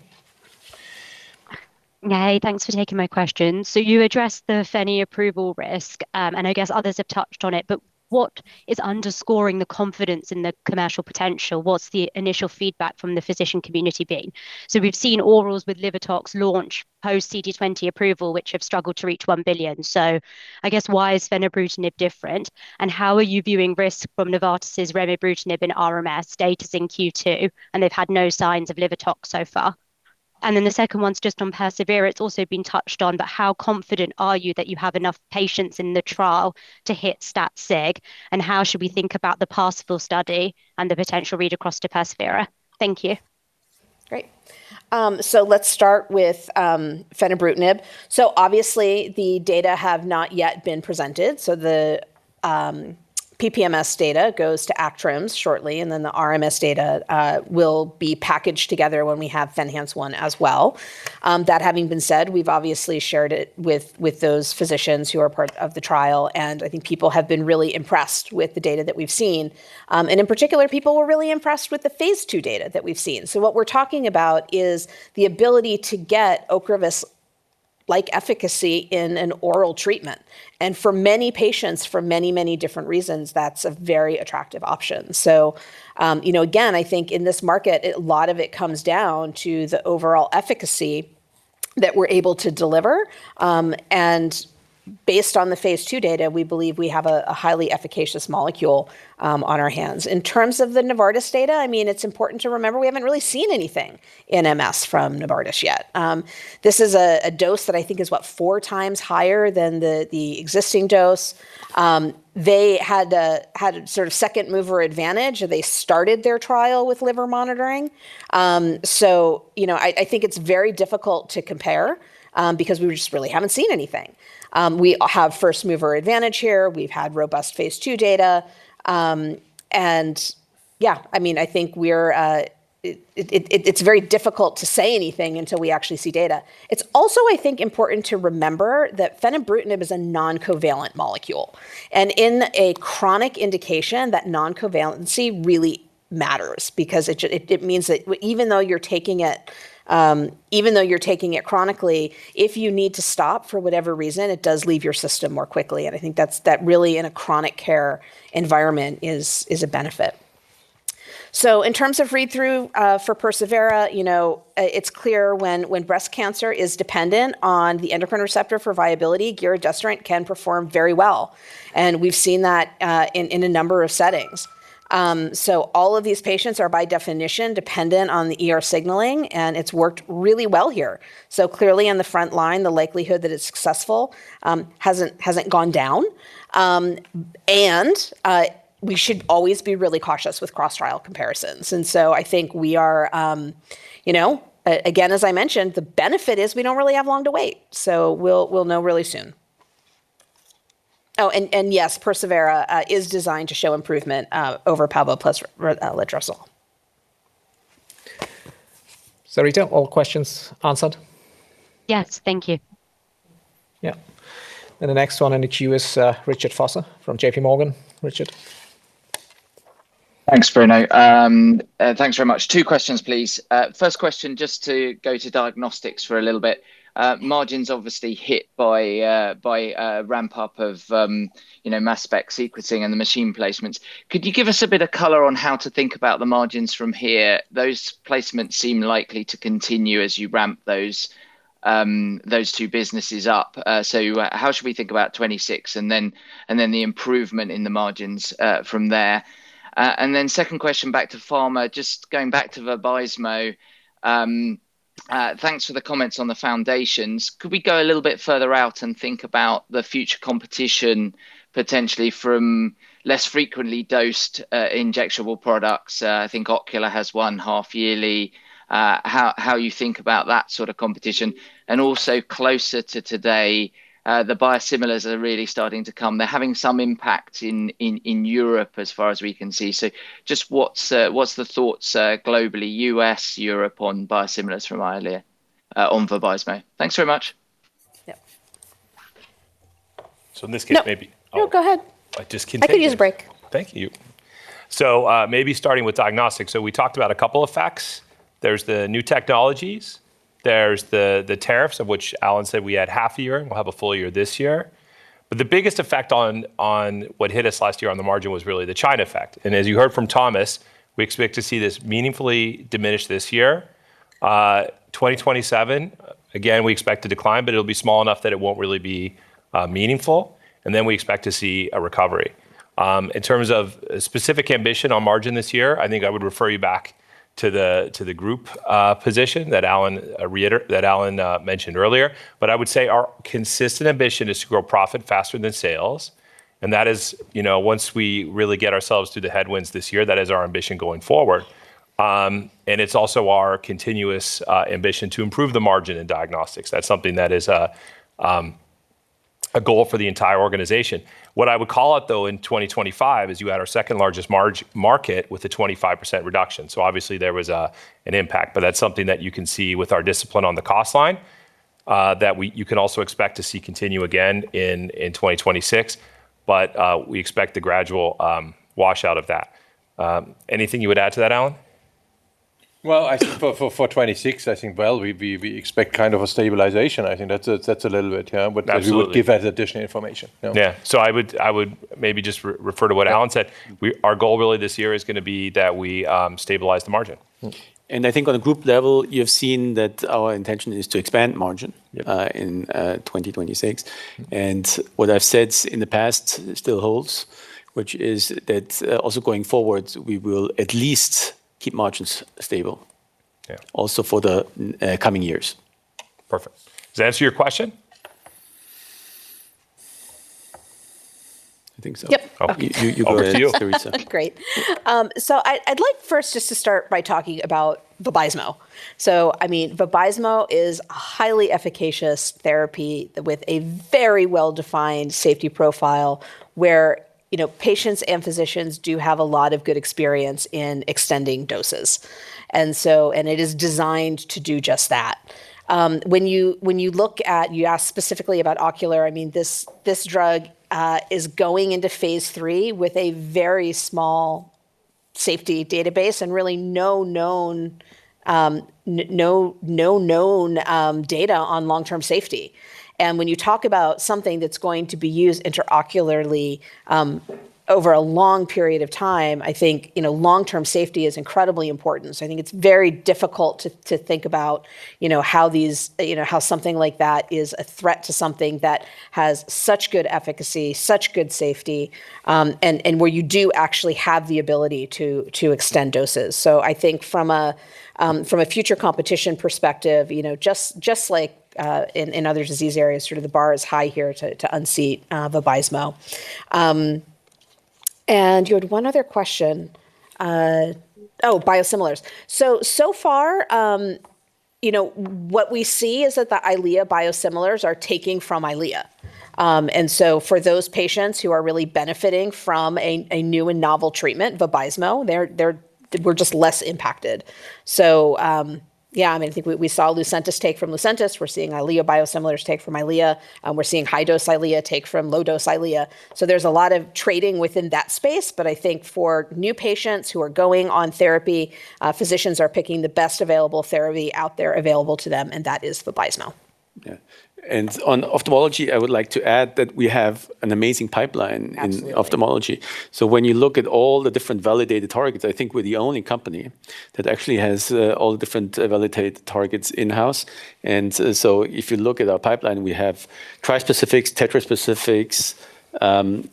Hey, thanks for taking my question. So you addressed the fenebrutinib approval risk, and I guess others have touched on it, but what is underscoring the confidence in the commercial potential? What's the initial feedback from the physician community being? So we've seen orals with liver tox launch post-CD20 approval, which have struggled to reach $1 billion. So I guess why is fenebrutinib different? And how are you viewing risk from Novartis's remibrutinib in RMS? Data's in Q2, and they've had no signs of liver tox so far. And then the second one's just on perSEVERA. It's also been touched on, but how confident are you that you have enough patients in the trial to hit stat-sig? And how should we think about the PARSIFAL study and the potential read across to perSEVERA? Thank you. Great. So let's start with fenebrutinib. So obviously, the data have not yet been presented. So the PPMS data goes to ACTRIMS shortly, and then the RMS data will be packaged together when we have FENhance 1 as well. That having been said, we've obviously shared it with those physicians who are part of the trial, and I think people have been really impressed with the data that we've seen. And in particular, people were really impressed with the Phase 2 data that we've seen. So what we're talking about is the ability to get Ocrevus-like efficacy in an oral treatment. For many patients, for many, many different reasons, that's a very attractive option. Again, I think in this market, a lot of it comes down to the overall efficacy that we're able to deliver. Based on the Phase 2 data, we believe we have a highly efficacious molecule on our hands. In terms of the Novartis data, I mean, it's important to remember we haven't really seen anything in MS from Novartis yet. This is a dose that I think is, what, 4 times higher than the existing dose. They had a sort of second-mover advantage. They started their trial with liver monitoring. I think it's very difficult to compare because we just really haven't seen anything. We have first-mover advantage here. We've had robust Phase 2 data. Yeah, I mean, I think it's very difficult to say anything until we actually see data. It's also, I think, important to remember that fenebrutinib is a non-covalent molecule. In a chronic indication, that non-covalency really matters because it means that even though you're taking it, even though you're taking it chronically, if you need to stop for whatever reason, it does leave your system more quickly. I think that really, in a chronic care environment, is a benefit. In terms of read-through for perSEVERA, it's clear when breast cancer is dependent on the endocrine receptor for viability, giredestrant can perform very well. We've seen that in a number of settings. All of these patients are, by definition, dependent on the signaling, and it's worked really well here. Clearly, on the front line, the likelihood that it's successful hasn't gone down. We should always be really cautious with cross-trial comparisons. And so I think we are, again, as I mentioned, the benefit is we don't really have long to wait. So we'll know really soon. Oh, and yes, perSEVERA is designed to show improvement over Palbo plus letrozole. Sarita, all questions answered? Yes, thank you. Yeah. And the next one in queue is Richard Vosser from JPMorgan. Richard? Thanks, Bruno. Thanks very much. Two questions, please. First question, just to go to diagnostics for a little bit. Margins obviously hit by a ramp-up of mass spec sequencing and the machine placements. Could you give us a bit of color on how to think about the margins from here? Those placements seem likely to continue as you ramp those two businesses up. So how should we think about '26 and then the improvement in the margins from there? And then second question back to pharma, just going back to Vabysmo. Thanks for the comments on the foundations. Could we go a little bit further out and think about the future competition potentially from less frequently dosed injectable products? I think Ocrevus has one half-yearly. How do you think about that sort of competition? And also closer to today, the biosimilars are really starting to come. They're having some impact in Europe as far as we can see. So just what's the thoughts globally, US, Europe on biosimilars from earlier on Vabysmo? Thanks very much. Yeah. So in this case, maybe I'll just keep breaking. I can use a break. Thank you. So maybe starting with diagnostics. So we talked about a couple of facts. There's the new technologies. There's the tariffs, of which Alan said we had half a year, and we'll have a full year this year. But the biggest effect on what hit us last year on the margin was really the China effect. As you heard from Thomas, we expect to see this meaningfully diminished this year. 2027, again, we expect a decline, but it'll be small enough that it won't really be meaningful. Then we expect to see a recovery. In terms of specific ambition on margin this year, I think I would refer you back to the group position that Alan mentioned earlier. But I would say our consistent ambition is to grow profit faster than sales. That is once we really get ourselves through the headwinds this year, that is our ambition going forward. It's also our continuous ambition to improve the margin in diagnostics. That's something that is a goal for the entire organization. What I would call out, though, in 2025 is you had our second-largest market with a 25% reduction. So obviously, there was an impact, but that's something that you can see with our discipline on the cost line that you can also expect to see continue again in 2026. But we expect the gradual washout of that. Anything you would add to that, Alan? Well, for 2026, I think, well, we expect kind of a stabilization. I think that's a little bit here, but we would give that additional information. Yeah. So I would maybe just refer to what Alan said. Our goal really this year is going to be that we stabilize the margin. I think on a group level, you have seen that our intention is to expand margin in 2026. What I've said in the past still holds, which is that also going forward, we will at least keep margins stable also for the coming years. Perfect. Does that answer your question? I think so. Yep. Over to you, Teresa. Great. I'd like first just to start by talking about Vabysmo. I mean, Vabysmo is a highly efficacious therapy with a very well-defined safety profile where patients and physicians do have a lot of good experience in extending doses. And it is designed to do just that. When you ask specifically about Ocrevus, I mean, this drug is going into Phase 3 with a very small safety database and really no known data on long-term safety. And when you talk about something that's going to be used intraocularly over a long period of time, I think long-term safety is incredibly important. So I think it's very difficult to think about how something like that is a threat to something that has such good efficacy, such good safety, and where you do actually have the ability to extend doses. So I think from a future competition perspective, just like in other disease areas, sort of the bar is high here to unseat Vabysmo. And you had one other question. Oh, biosimilars. So far, what we see is that the Eylea biosimilars are taking from Eylea. And so for those patients who are really benefiting from a new and novel treatment, Vabysmo, we're just less impacted. So yeah, I mean, I think we saw Lucentis take from Lucentis. We're seeing Eylea biosimilars take from Eylea. We're seeing high-dose Eylea take from low-dose Eylea. So there's a lot of trading within that space. But I think for new patients who are going on therapy, physicians are picking the best available therapy out there available to them, and that is Vabysmo. Yeah. And on ophthalmology, I would like to add that we have an amazing pipeline in ophthalmology. So when you look at all the different validated targets, I think we're the only company that actually has all the different validated targets in-house. And so if you look at our pipeline, we have trispecifics, tetraspecifics,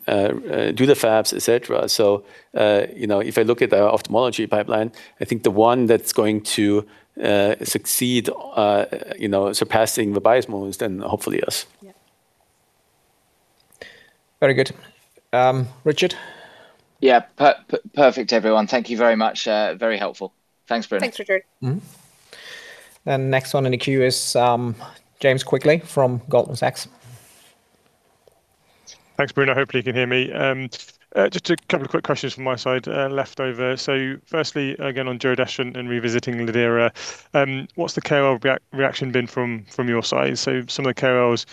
DutaFabs, et cetera. So if I look at our ophthalmology pipeline, I think the one that's going to succeed surpassing Vabysmo is then hopefully us. Yeah. Very good. Richard? Yeah. Perfect, everyone. Thank you very much. Very helpful. Thanks, Bruno. Thanks, Richard. And next one in the queue is James Quigley from Goldman Sachs. Thanks, Bruno. Hopefully, you can hear me. Just a couple of quick questions from my side left over. So firstly, again, on giredestrant and revisiting lidERA, what's the KOL reaction been from your side? So some of the KOLs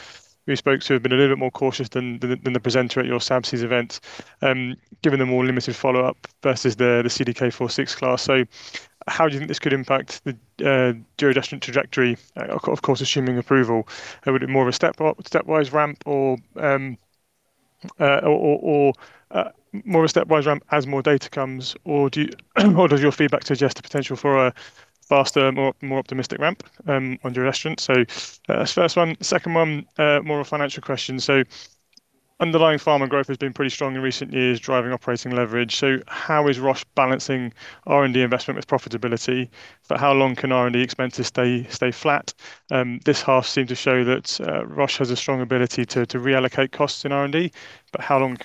we spoke to have been a little bit more cautious than the presenter at your SABCS event, giving them more limited follow-up versus the CDK4/6 class. So how do you think this could impact the giredestrant trajectory, of course, assuming approval? Would it be more of a stepwise ramp or more of a stepwise ramp as more data comes, or does your feedback suggest a potential for a faster, more optimistic ramp on giredestrant? So that's the first one. Second one, more of a financial question. So underlying pharma growth has been pretty strong in recent years, driving operating leverage. So how is Roche balancing R&D investment with profitability? For how long can R&D expenses stay flat? This half seemed to show that Roche has a strong ability to reallocate costs in R&D, but how long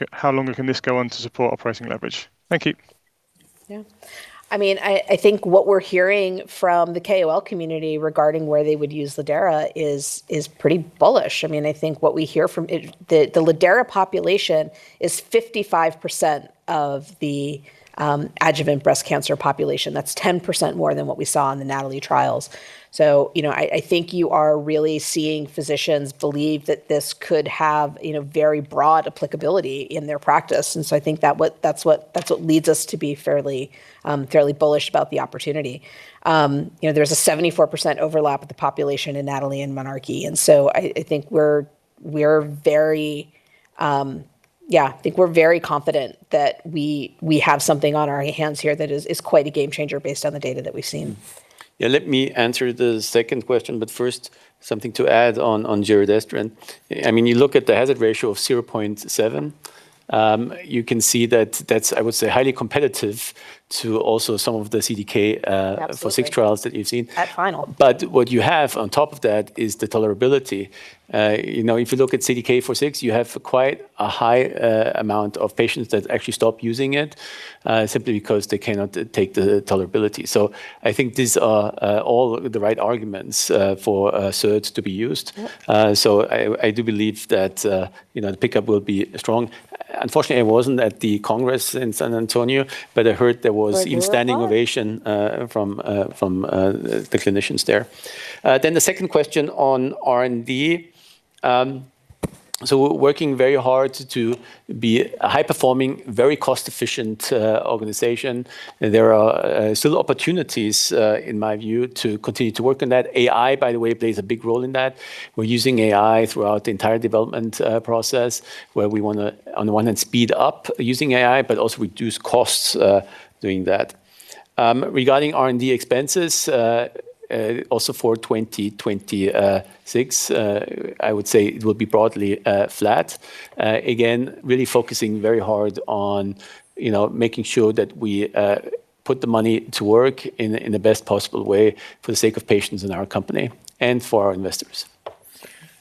can this go on to support operating leverage? Thank you. Yeah. I mean, I think what we're hearing from the KOL community regarding where they would use lidERA is pretty bullish. I mean, I think what we hear from the lidERA population is 55% of the adjuvant breast cancer population. That's 10% more than what we saw in the NATALEE trials. So I think you are really seeing physicians believe that this could have very broad applicability in their practice. And so I think that's what leads us to be fairly bullish about the opportunity. There's a 74% overlap with the population in NATALEE and monarchE. And so I think we're very confident that we have something on our hands here that is quite a game changer based on the data that we've seen. Yeah. Let me answer the second question, but first, something to add on giredestrant. I mean, you look at the hazard ratio of 0.7. You can see that that's, I would say, highly competitive to also some of the CDK4/6 trials that you've seen. But what you have on top of that is the tolerability. If you look at CDK4/6, you have quite a high amount of patients that actually stop using it simply because they cannot take the tolerability. So I think these are all the right arguments for giredestrant to be used. So I do believe that the pickup will be strong. Unfortunately, I wasn't at the Congress in San Antonio, but I heard there was even standing ovation from the clinicians there. Then the second question on R&D. So we're working very hard to be a high-performing, very cost-efficient organization. There are still opportunities, in my view, to continue to work on that. AI, by the way, plays a big role in that. We're using AI throughout the entire development process, where we want to, on the one hand, speed up using AI, but also reduce costs doing that. Regarding R&D expenses, also for 2026, I would say it will be broadly flat. Again, really focusing very hard on making sure that we put the money to work in the best possible way for the sake of patients in our company and for our investors.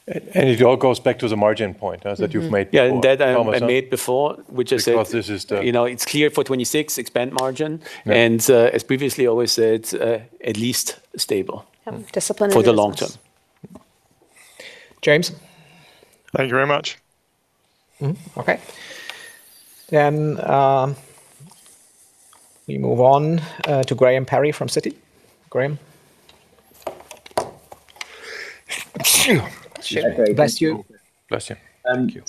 It all goes back to the margin point that you've made before. Yeah, and that I made before, which is [CROSSTALK] it's clear for 2026, expand margin. And as previously always said, at least stable for the long term. James. Thank you very much. Okay. Then we move on to Graham Parry from Citi. Graham. Bless you. Bless you. Thank you.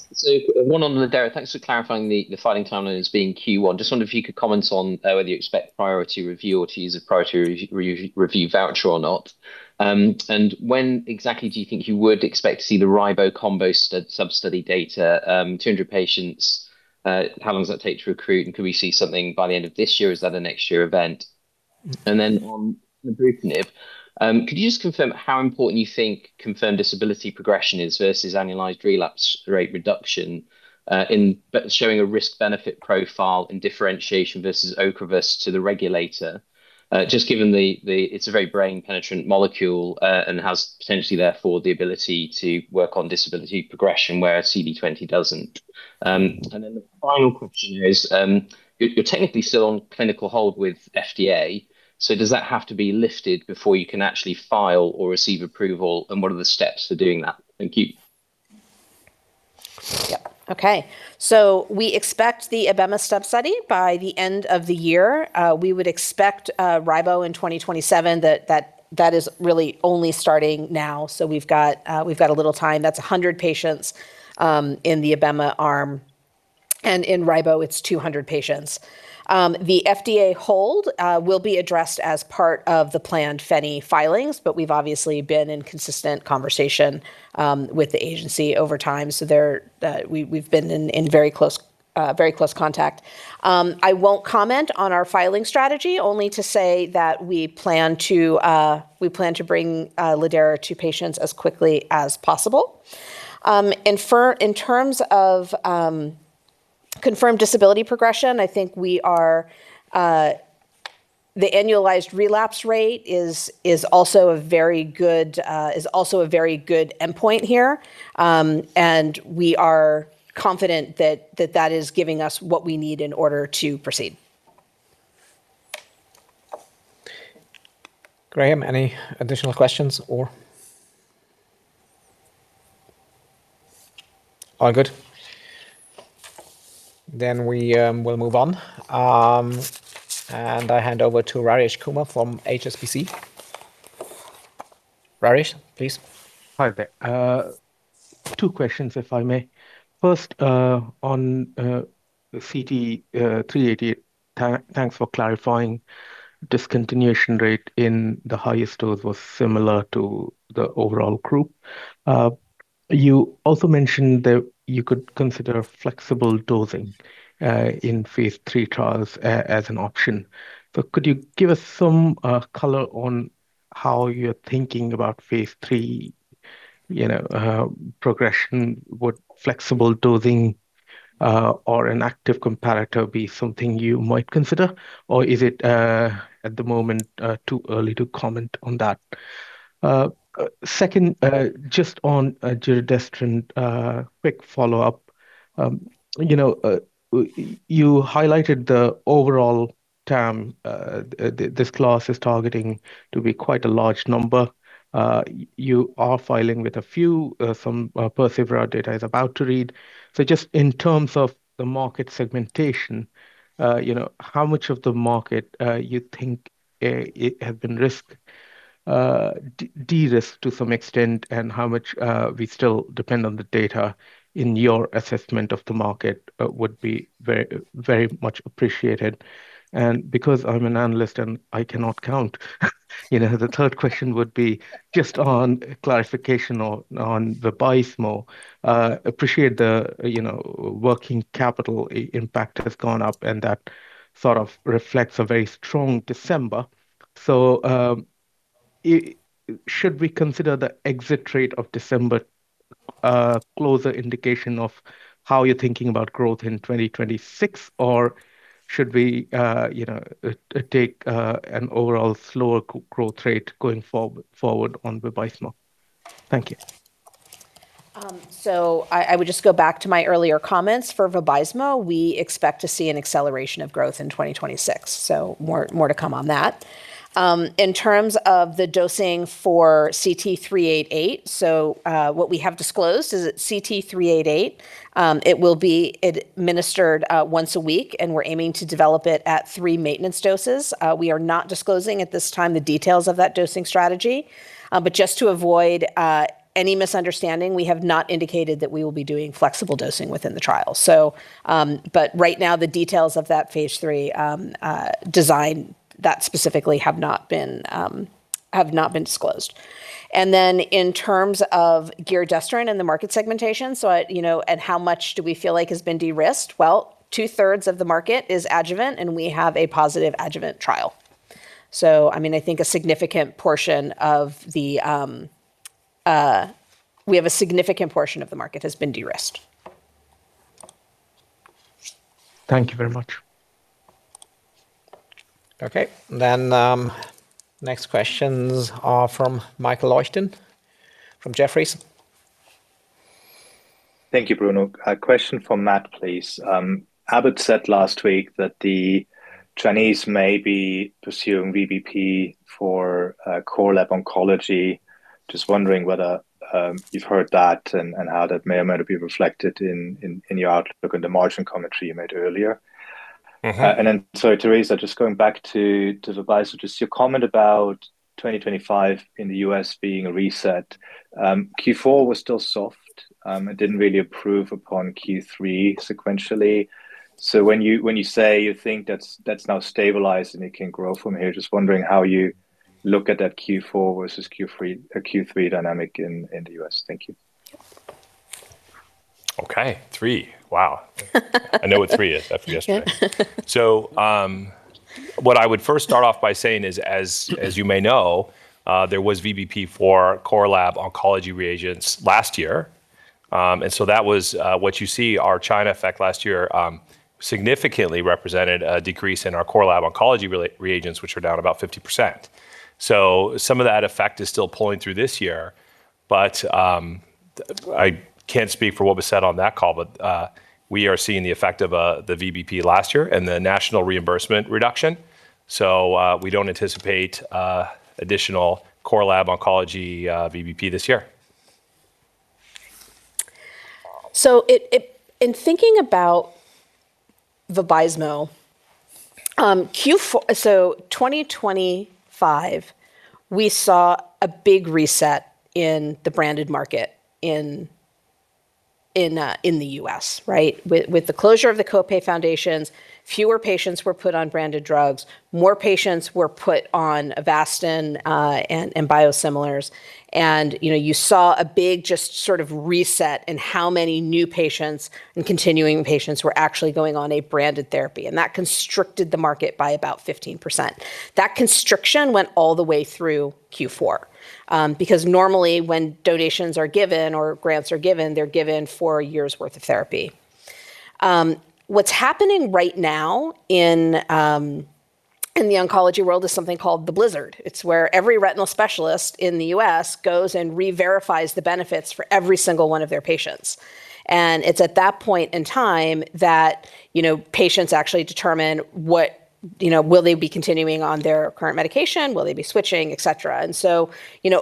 One on lidERA. Thanks for clarifying the filing timeline as being Q1. Just wondered if you could comment on whether you expect priority review or to use a priority review voucher or not. And when exactly do you think you would expect to see the RIBO combo sub-study data? 200 patients. How long does that take to recruit? And could we see something by the end of this year? Is that a next-year event? And then on the group, could you just confirm how important you think confirmed disability progression is versus annualized relapse rate reduction in showing a risk-benefit profile in differentiation versus Ocrevus to the regulator? Just given it's a very brain-penetrant molecule and has potentially, therefore, the ability to work on disability progression where CD20 doesn't. And then the final question is, you're technically still on clinical hold with FDA. So does that have to be lifted before you can actually file or receive approval? And what are the steps for doing that? Thank you. Yep. Okay. So we expect the Abema study by the end of the year. We would expect RIBO in 2027. That is really only starting now. So we've got a little time. That's 100 patients in the Abema arm. And in RIBO, it's 200 patients. The FDA hold will be addressed as part of the planned FENhance filings, but we've obviously been in consistent conversation with the agency over time. So we've been in very close contact. I won't comment on our filing strategy, only to say that we plan to bring lidERA to patients as quickly as possible. In terms of confirmed disability progression, I think the annualized relapse rate is also a very good endpoint here. We are confident that that is giving us what we need in order to proceed. Graham, any additional questions or all good? We will move on. I hand over to Rajesh Kumar from HSBC. Rajesh, please. Hi. Two questions, if I may. First, on CT-388, thanks for clarifying. Discontinuation rate in the highest dose was similar to the overall group. You also mentioned that you could consider flexible dosing in Phase 3 trials as an option. So could you give us some color on how you're thinking about Phase 3 progression? Would flexible dosing or an active comparator be something you might consider, or is it at the moment too early to comment on that? Second, just on giredestrant, quick follow-up. You highlighted the overall term. This class is targeting to be quite a large number. You are filing with a few. Some perSEVERA data is about to readout. So just in terms of the market segmentation, how much of the market you think it has been de-risked to some extent, and how much we still depend on the data in your assessment of the market would be very much appreciated. Because I'm an analyst and I cannot count, the third question would be just on clarification on the Vabysmo. Appreciate the working capital impact has gone up, and that sort of reflects a very strong December. So should we consider the exit rate of December a closer indication of how you're thinking about growth in 2026, or should we take an overall slower growth rate going forward on the Vabysmo? Thank you. I would just go back to my earlier comments. For Vabysmo, we expect to see an acceleration of growth in 2026. So more to come on that. In terms of the dosing for CT-388, what we have disclosed is CT-388. It will be administered once a week, and we're aiming to develop it at three maintenance doses. We are not disclosing at this time the details of that dosing strategy. But just to avoid any misunderstanding, we have not indicated that we will be doing flexible dosing within the trial. But right now, the details of that Phase 3 design, that specifically have not been disclosed. And then in terms of giredestrant and the market segmentation, and how much do we feel like has been de-risked? Well, two-thirds of the market is adjuvant, and we have a positive adjuvant trial. So I mean, I think a significant portion of the we have a significant portion of the market has been de-risked. Thank you very much. Okay. Then next questions are from Michael Leuchten from Jefferies. Thank you, Bruno. Question from Matt, please. Abbott said last week that the Chinese may be pursuing VBP for core lab oncology. Just wondering whether you've heard that and how that may or may not be reflected in your outlook on the margin commentary you made earlier. And then sorry, Teresa, just going back to the Vabysmo, just your comment about 2025 in the US being a reset. Q4 was still soft. It didn't really improve upon Q3 sequentially. So when you say you think that's now stabilized and it can grow from here, just wondering how you look at that Q4 versus Q3 dynamic in the US. Thank you. Okay. Three. Wow. I know what three is. That's from yesterday. So what I would first start off by saying is, as you may know, there was VBP for core lab oncology reagents last year. And so that was what you see. Our China effect last year significantly represented a decrease in our core lab oncology reagents, which are down about 50%. So some of that effect is still pulling through this year. But I can't speak for what was said on that call, but we are seeing the effect of the VBP last year and the national reimbursement reduction. So we don't anticipate additional core lab oncology VBP this year. So in thinking about the Vabysmo, so 2025, we saw a big reset in the branded market in the U.S., right? With the closure of the copay foundations, fewer patients were put on branded drugs. More patients were put on Avastin and biosimilars. And you saw a big just sort of reset in how many new patients and continuing patients were actually going on a branded therapy. And that constricted the market by about 15%. That constriction went all the way through Q4. Because normally, when donations are given or grants are given, they're given for a year's worth of therapy. What's happening right now in the oncology world is something called the Blizzard. It's where every retinal specialist in the U.S. goes and re-verifies the benefits for every single one of their patients. And it's at that point in time that patients actually determine what will they be continuing on their current medication, will they be switching, etc. And so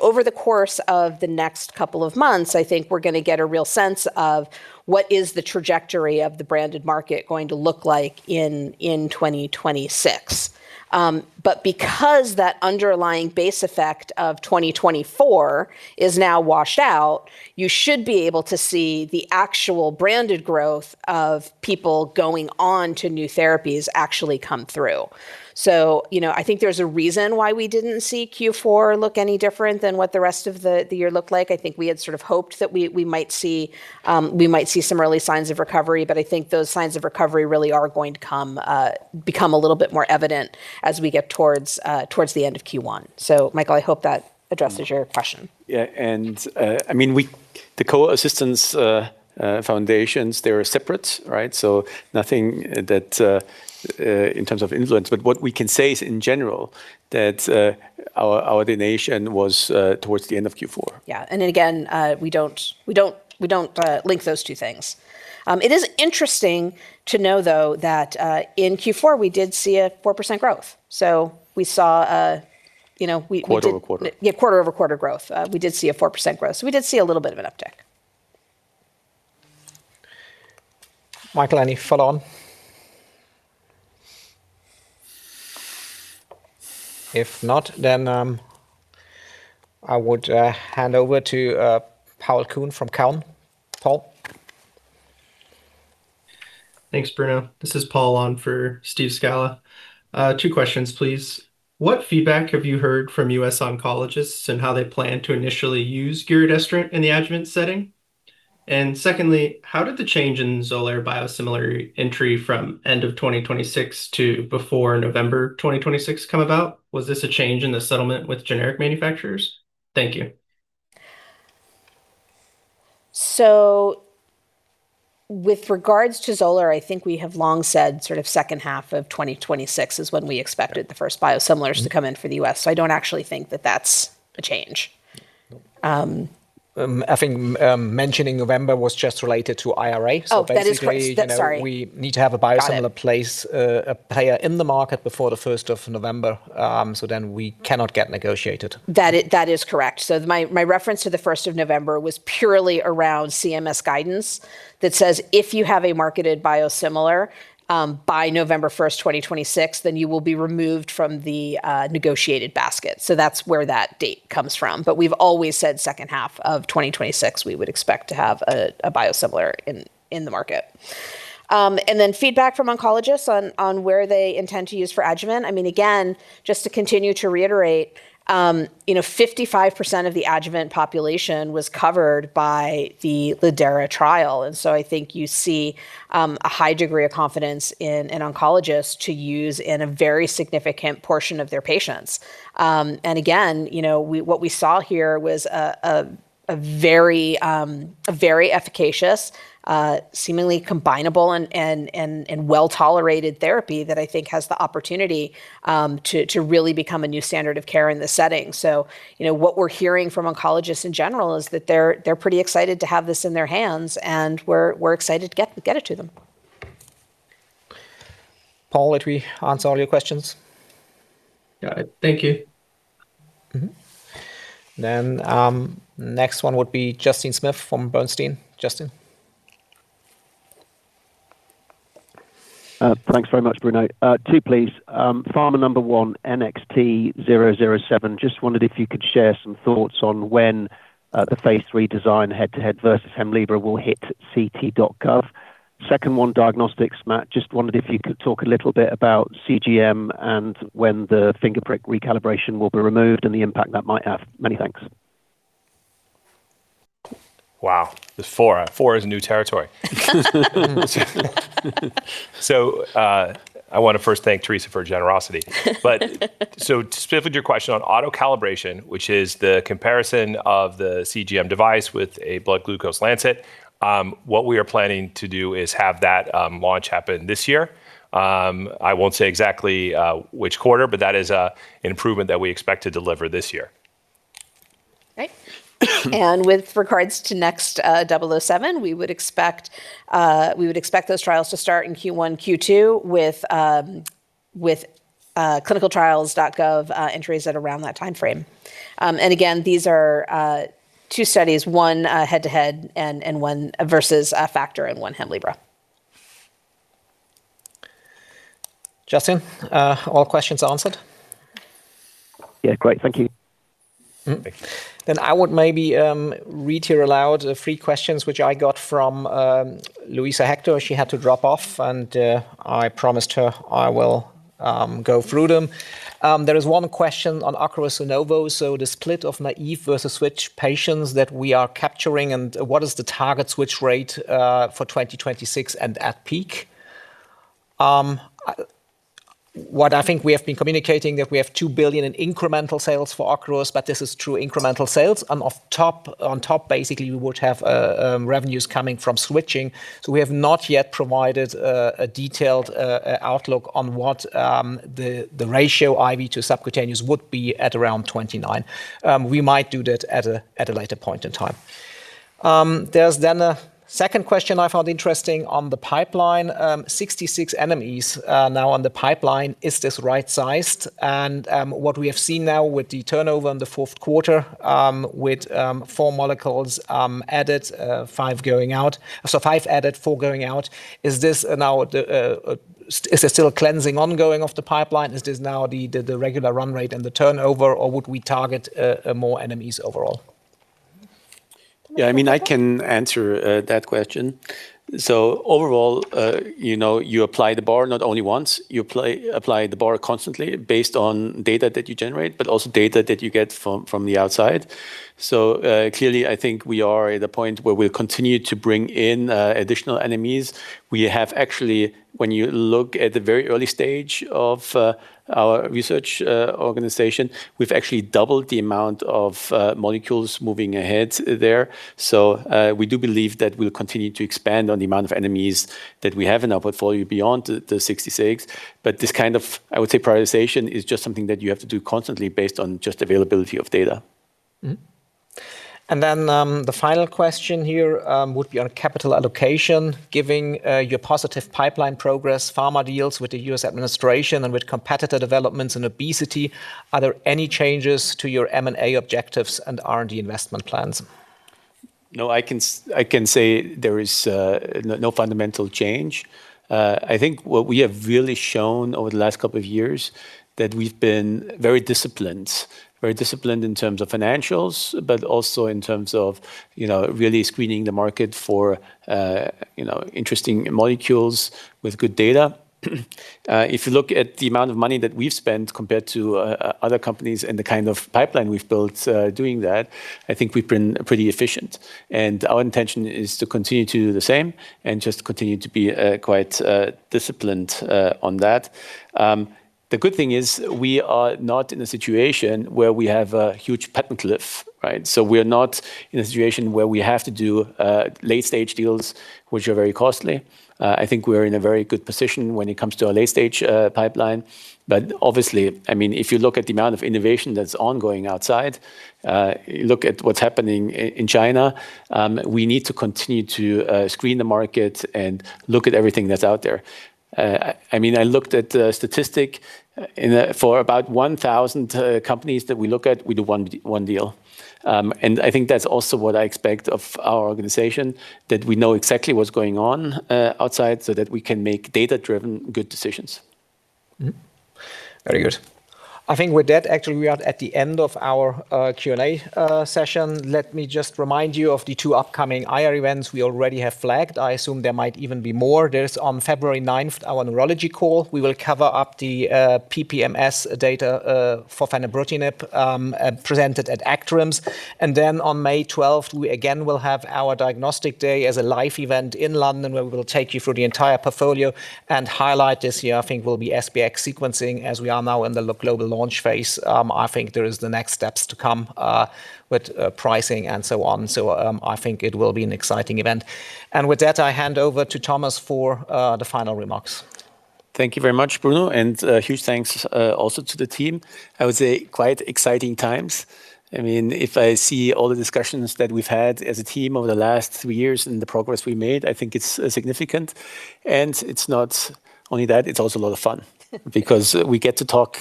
over the course of the next couple of months, I think we're going to get a real sense of what is the trajectory of the branded market going to look like in 2026. But because that underlying base effect of 2024 is now washed out, you should be able to see the actual branded growth of people going on to new therapies actually come through. So I think there's a reason why we didn't see Q4 look any different than what the rest of the year looked like. I think we had sort of hoped that we might see some early signs of recovery, but I think those signs of recovery really are going to become a little bit more evident as we get towards the end of Q1. So Michael, I hope that addresses your question. Yeah. And I mean, the copay assistance foundations, they're separate, right? So nothing in terms of influence. But what we can say is, in general, that our donation was towards the end of Q4. Yeah. And again, we don't link those two things. It is interesting to know, though, that in Q4, we did see a 4% growth. So we saw a quarter-over-quarter. Yeah, quarter-over-quarter growth. We did see a 4% growth. So we did see a little bit of an uptick. Michael, any follow-on? If not, then I would hand over to Paul Kuhn from Cowen. Paul. Thanks, Bruno. This is Paul on for Steve Scala. Two questions, please. What feedback have you heard from US oncologists and how they plan to initially use giredestrant in the adjuvant setting? And secondly, how did the change in Xolair biosimilar entry from end of 2026 to before November 2026 come about? Was this a change in the settlement with generic manufacturers? Thank you. So with regards to Xolair, I think we have long said sort of second half of 2026 is when we expected the first biosimilars to come in for the US. So I don't actually think that that's a change. I think mentioning November was just related to IRA. So basically. Oh, that is correct. Sorry. We need to have a biosimilar play in the market before the 1st of November. So then we cannot get negotiated. That is correct. So my reference to the 1st of November was purely around CMS guidance that says, if you have a marketed biosimilar by November 1st, 2026, then you will be removed from the negotiated basket. So that's where that date comes from. But we've always said second half of 2026, we would expect to have a biosimilar in the market. And then feedback from oncologists on where they intend to use for adjuvant. I mean, again, just to continue to reiterate, 55% of the adjuvant population was covered by the lidERA trial. And so I think you see a high degree of confidence in oncologists to use in a very significant portion of their patients. And again, what we saw here was a very efficacious, seemingly combinable, and well-tolerated therapy that I think has the opportunity to really become a new standard of care in this setting. So what we're hearing from oncologists in general is that they're pretty excited to have this in their hands, and we're excited to get it to them. Paul, are we on to all your questions? Got it. Thank you. Then next one would be Justin Smith from Bernstein. Justin. Thanks very much, Bruno. 2, please. Pharma number 1, NXT007. Just wondered if you could share some thoughts on when the Phase 3 design, head-to-head versus Hemlibra, will hit CT.gov. Second one, diagnostics. Matt, just wondered if you could talk a little bit about CGM and when the fingerprick recalibration will be removed and the impact that might have. Many thanks. Wow. 2024 is new territory. So I want to first thank Teresa for generosity. But so specifically to your question on autocalibration, which is the comparison of the CGM device with a blood glucose lancet, what we are planning to do is have that launch happen this year. I won't say exactly which quarter, but that is an improvement that we expect to deliver this year. Okay. And with regards to NXT007, we would expect those trials to start in Q1, Q2 with clinicaltrials.gov entries at around that time frame. And again, these are two studies, one head-to-head versus a factor and one Hemlibra. Justin, all questions answered? Yeah. Great. Thank you. Then I would maybe read here aloud three questions, which I got from Luisa Hector. She had to drop off, and I promised her I will go through them. There is one question on Ocrevus Zunovo. So the split of naive versus switch patients that we are capturing, and what is the target switch rate for 2026 and at peak? What I think we have been communicating is that we have 2 billion in incremental sales for Ocrevus, but this is true incremental sales. And on top, basically, we would have revenues coming from switching. So we have not yet provided a detailed outlook on what the ratio IV to subcutaneous would be at around 2029. We might do that at a later point in time. There's then a second question I found interesting on the pipeline. 66 NMEs now on the pipeline. Is this right-sized? And what we have seen now with the turnover in the fourth quarter with 4 molecules added, 5 going out, so 5 added, 4 going out, is this now is there still a cleansing ongoing of the pipeline? Is this now the regular run rate and the turnover, or would we target more NMEs overall? Yeah. I mean, I can answer that question. So overall, you apply the bar not only once. You apply the bar constantly based on data that you generate, but also data that you get from the outside. So clearly, I think we are at a point where we'll continue to bring in additional NMEs. We have actually, when you look at the very early stage of our research organization, we've actually doubled the amount of molecules moving ahead there. So we do believe that we'll continue to expand on the amount of NMEs that we have in our portfolio beyond the 66. But this kind of, I would say, prioritization is just something that you have to do constantly based on just availability of data. Then the final question here would be on capital allocation. Given your positive pipeline progress, pharma deals with the U.S. administration and with competitor developments in obesity, are there any changes to your M&A objectives and R&D investment plans? No, I can say there is no fundamental change. I think what we have really shown over the last couple of years is that we've been very disciplined, very disciplined in terms of financials, but also in terms of really screening the market for interesting molecules with good data. If you look at the amount of money that we've spent compared to other companies and the kind of pipeline we've built doing that, I think we've been pretty efficient. Our intention is to continue to do the same and just continue to be quite disciplined on that. The good thing is we are not in a situation where we have a huge patent cliff, right? So we're not in a situation where we have to do late-stage deals, which are very costly. I think we're in a very good position when it comes to our late-stage pipeline. But obviously, I mean, if you look at the amount of innovation that's ongoing outside, look at what's happening in China, we need to continue to screen the market and look at everything that's out there. I mean, I looked at the statistic for about 1,000 companies that we look at, we do one deal. And I think that's also what I expect of our organization, that we know exactly what's going on outside so that we can make data-driven good decisions. Very good. I think with that, actually, we are at the end of our Q&A session. Let me just remind you of the two upcoming IR events we already have flagged. I assume there might even be more. There's on February 9th, our neurology call. We will cover up the PPMS data for fenebrutinib presented at ACTRIMS. And then on May 12th, we again will have our diagnostic day as a live event in London where we will take you through the entire portfolio and highlight this year. I think will be SBX sequencing as we are now in the global launch phase. I think there are the next steps to come with pricing and so on. So I think it will be an exciting event. And with that, I hand over to Thomas for the final remarks. Thank you very much, Bruno, and huge thanks also to the team. I would say quite exciting times. I mean, if I see all the discussions that we've had as a team over the last three years and the progress we made, I think it's significant. It's not only that, it's also a lot of fun because we get to talk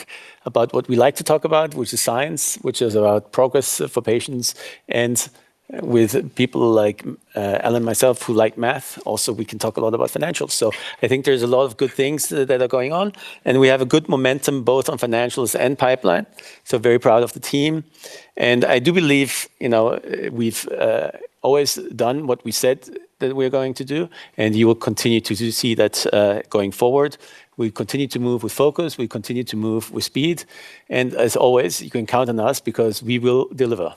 about what we like to talk about, which is science, which is about progress for patients. With people like Alan and myself who like math, also we can talk a lot about financials. I think there's a lot of good things that are going on. We have a good momentum both on financials and pipeline. Very proud of the team. I do believe we've always done what we said that we're going to do, and you will continue to see that going forward. We continue to move with focus. We continue to move with speed. As always, you can count on us because we will deliver.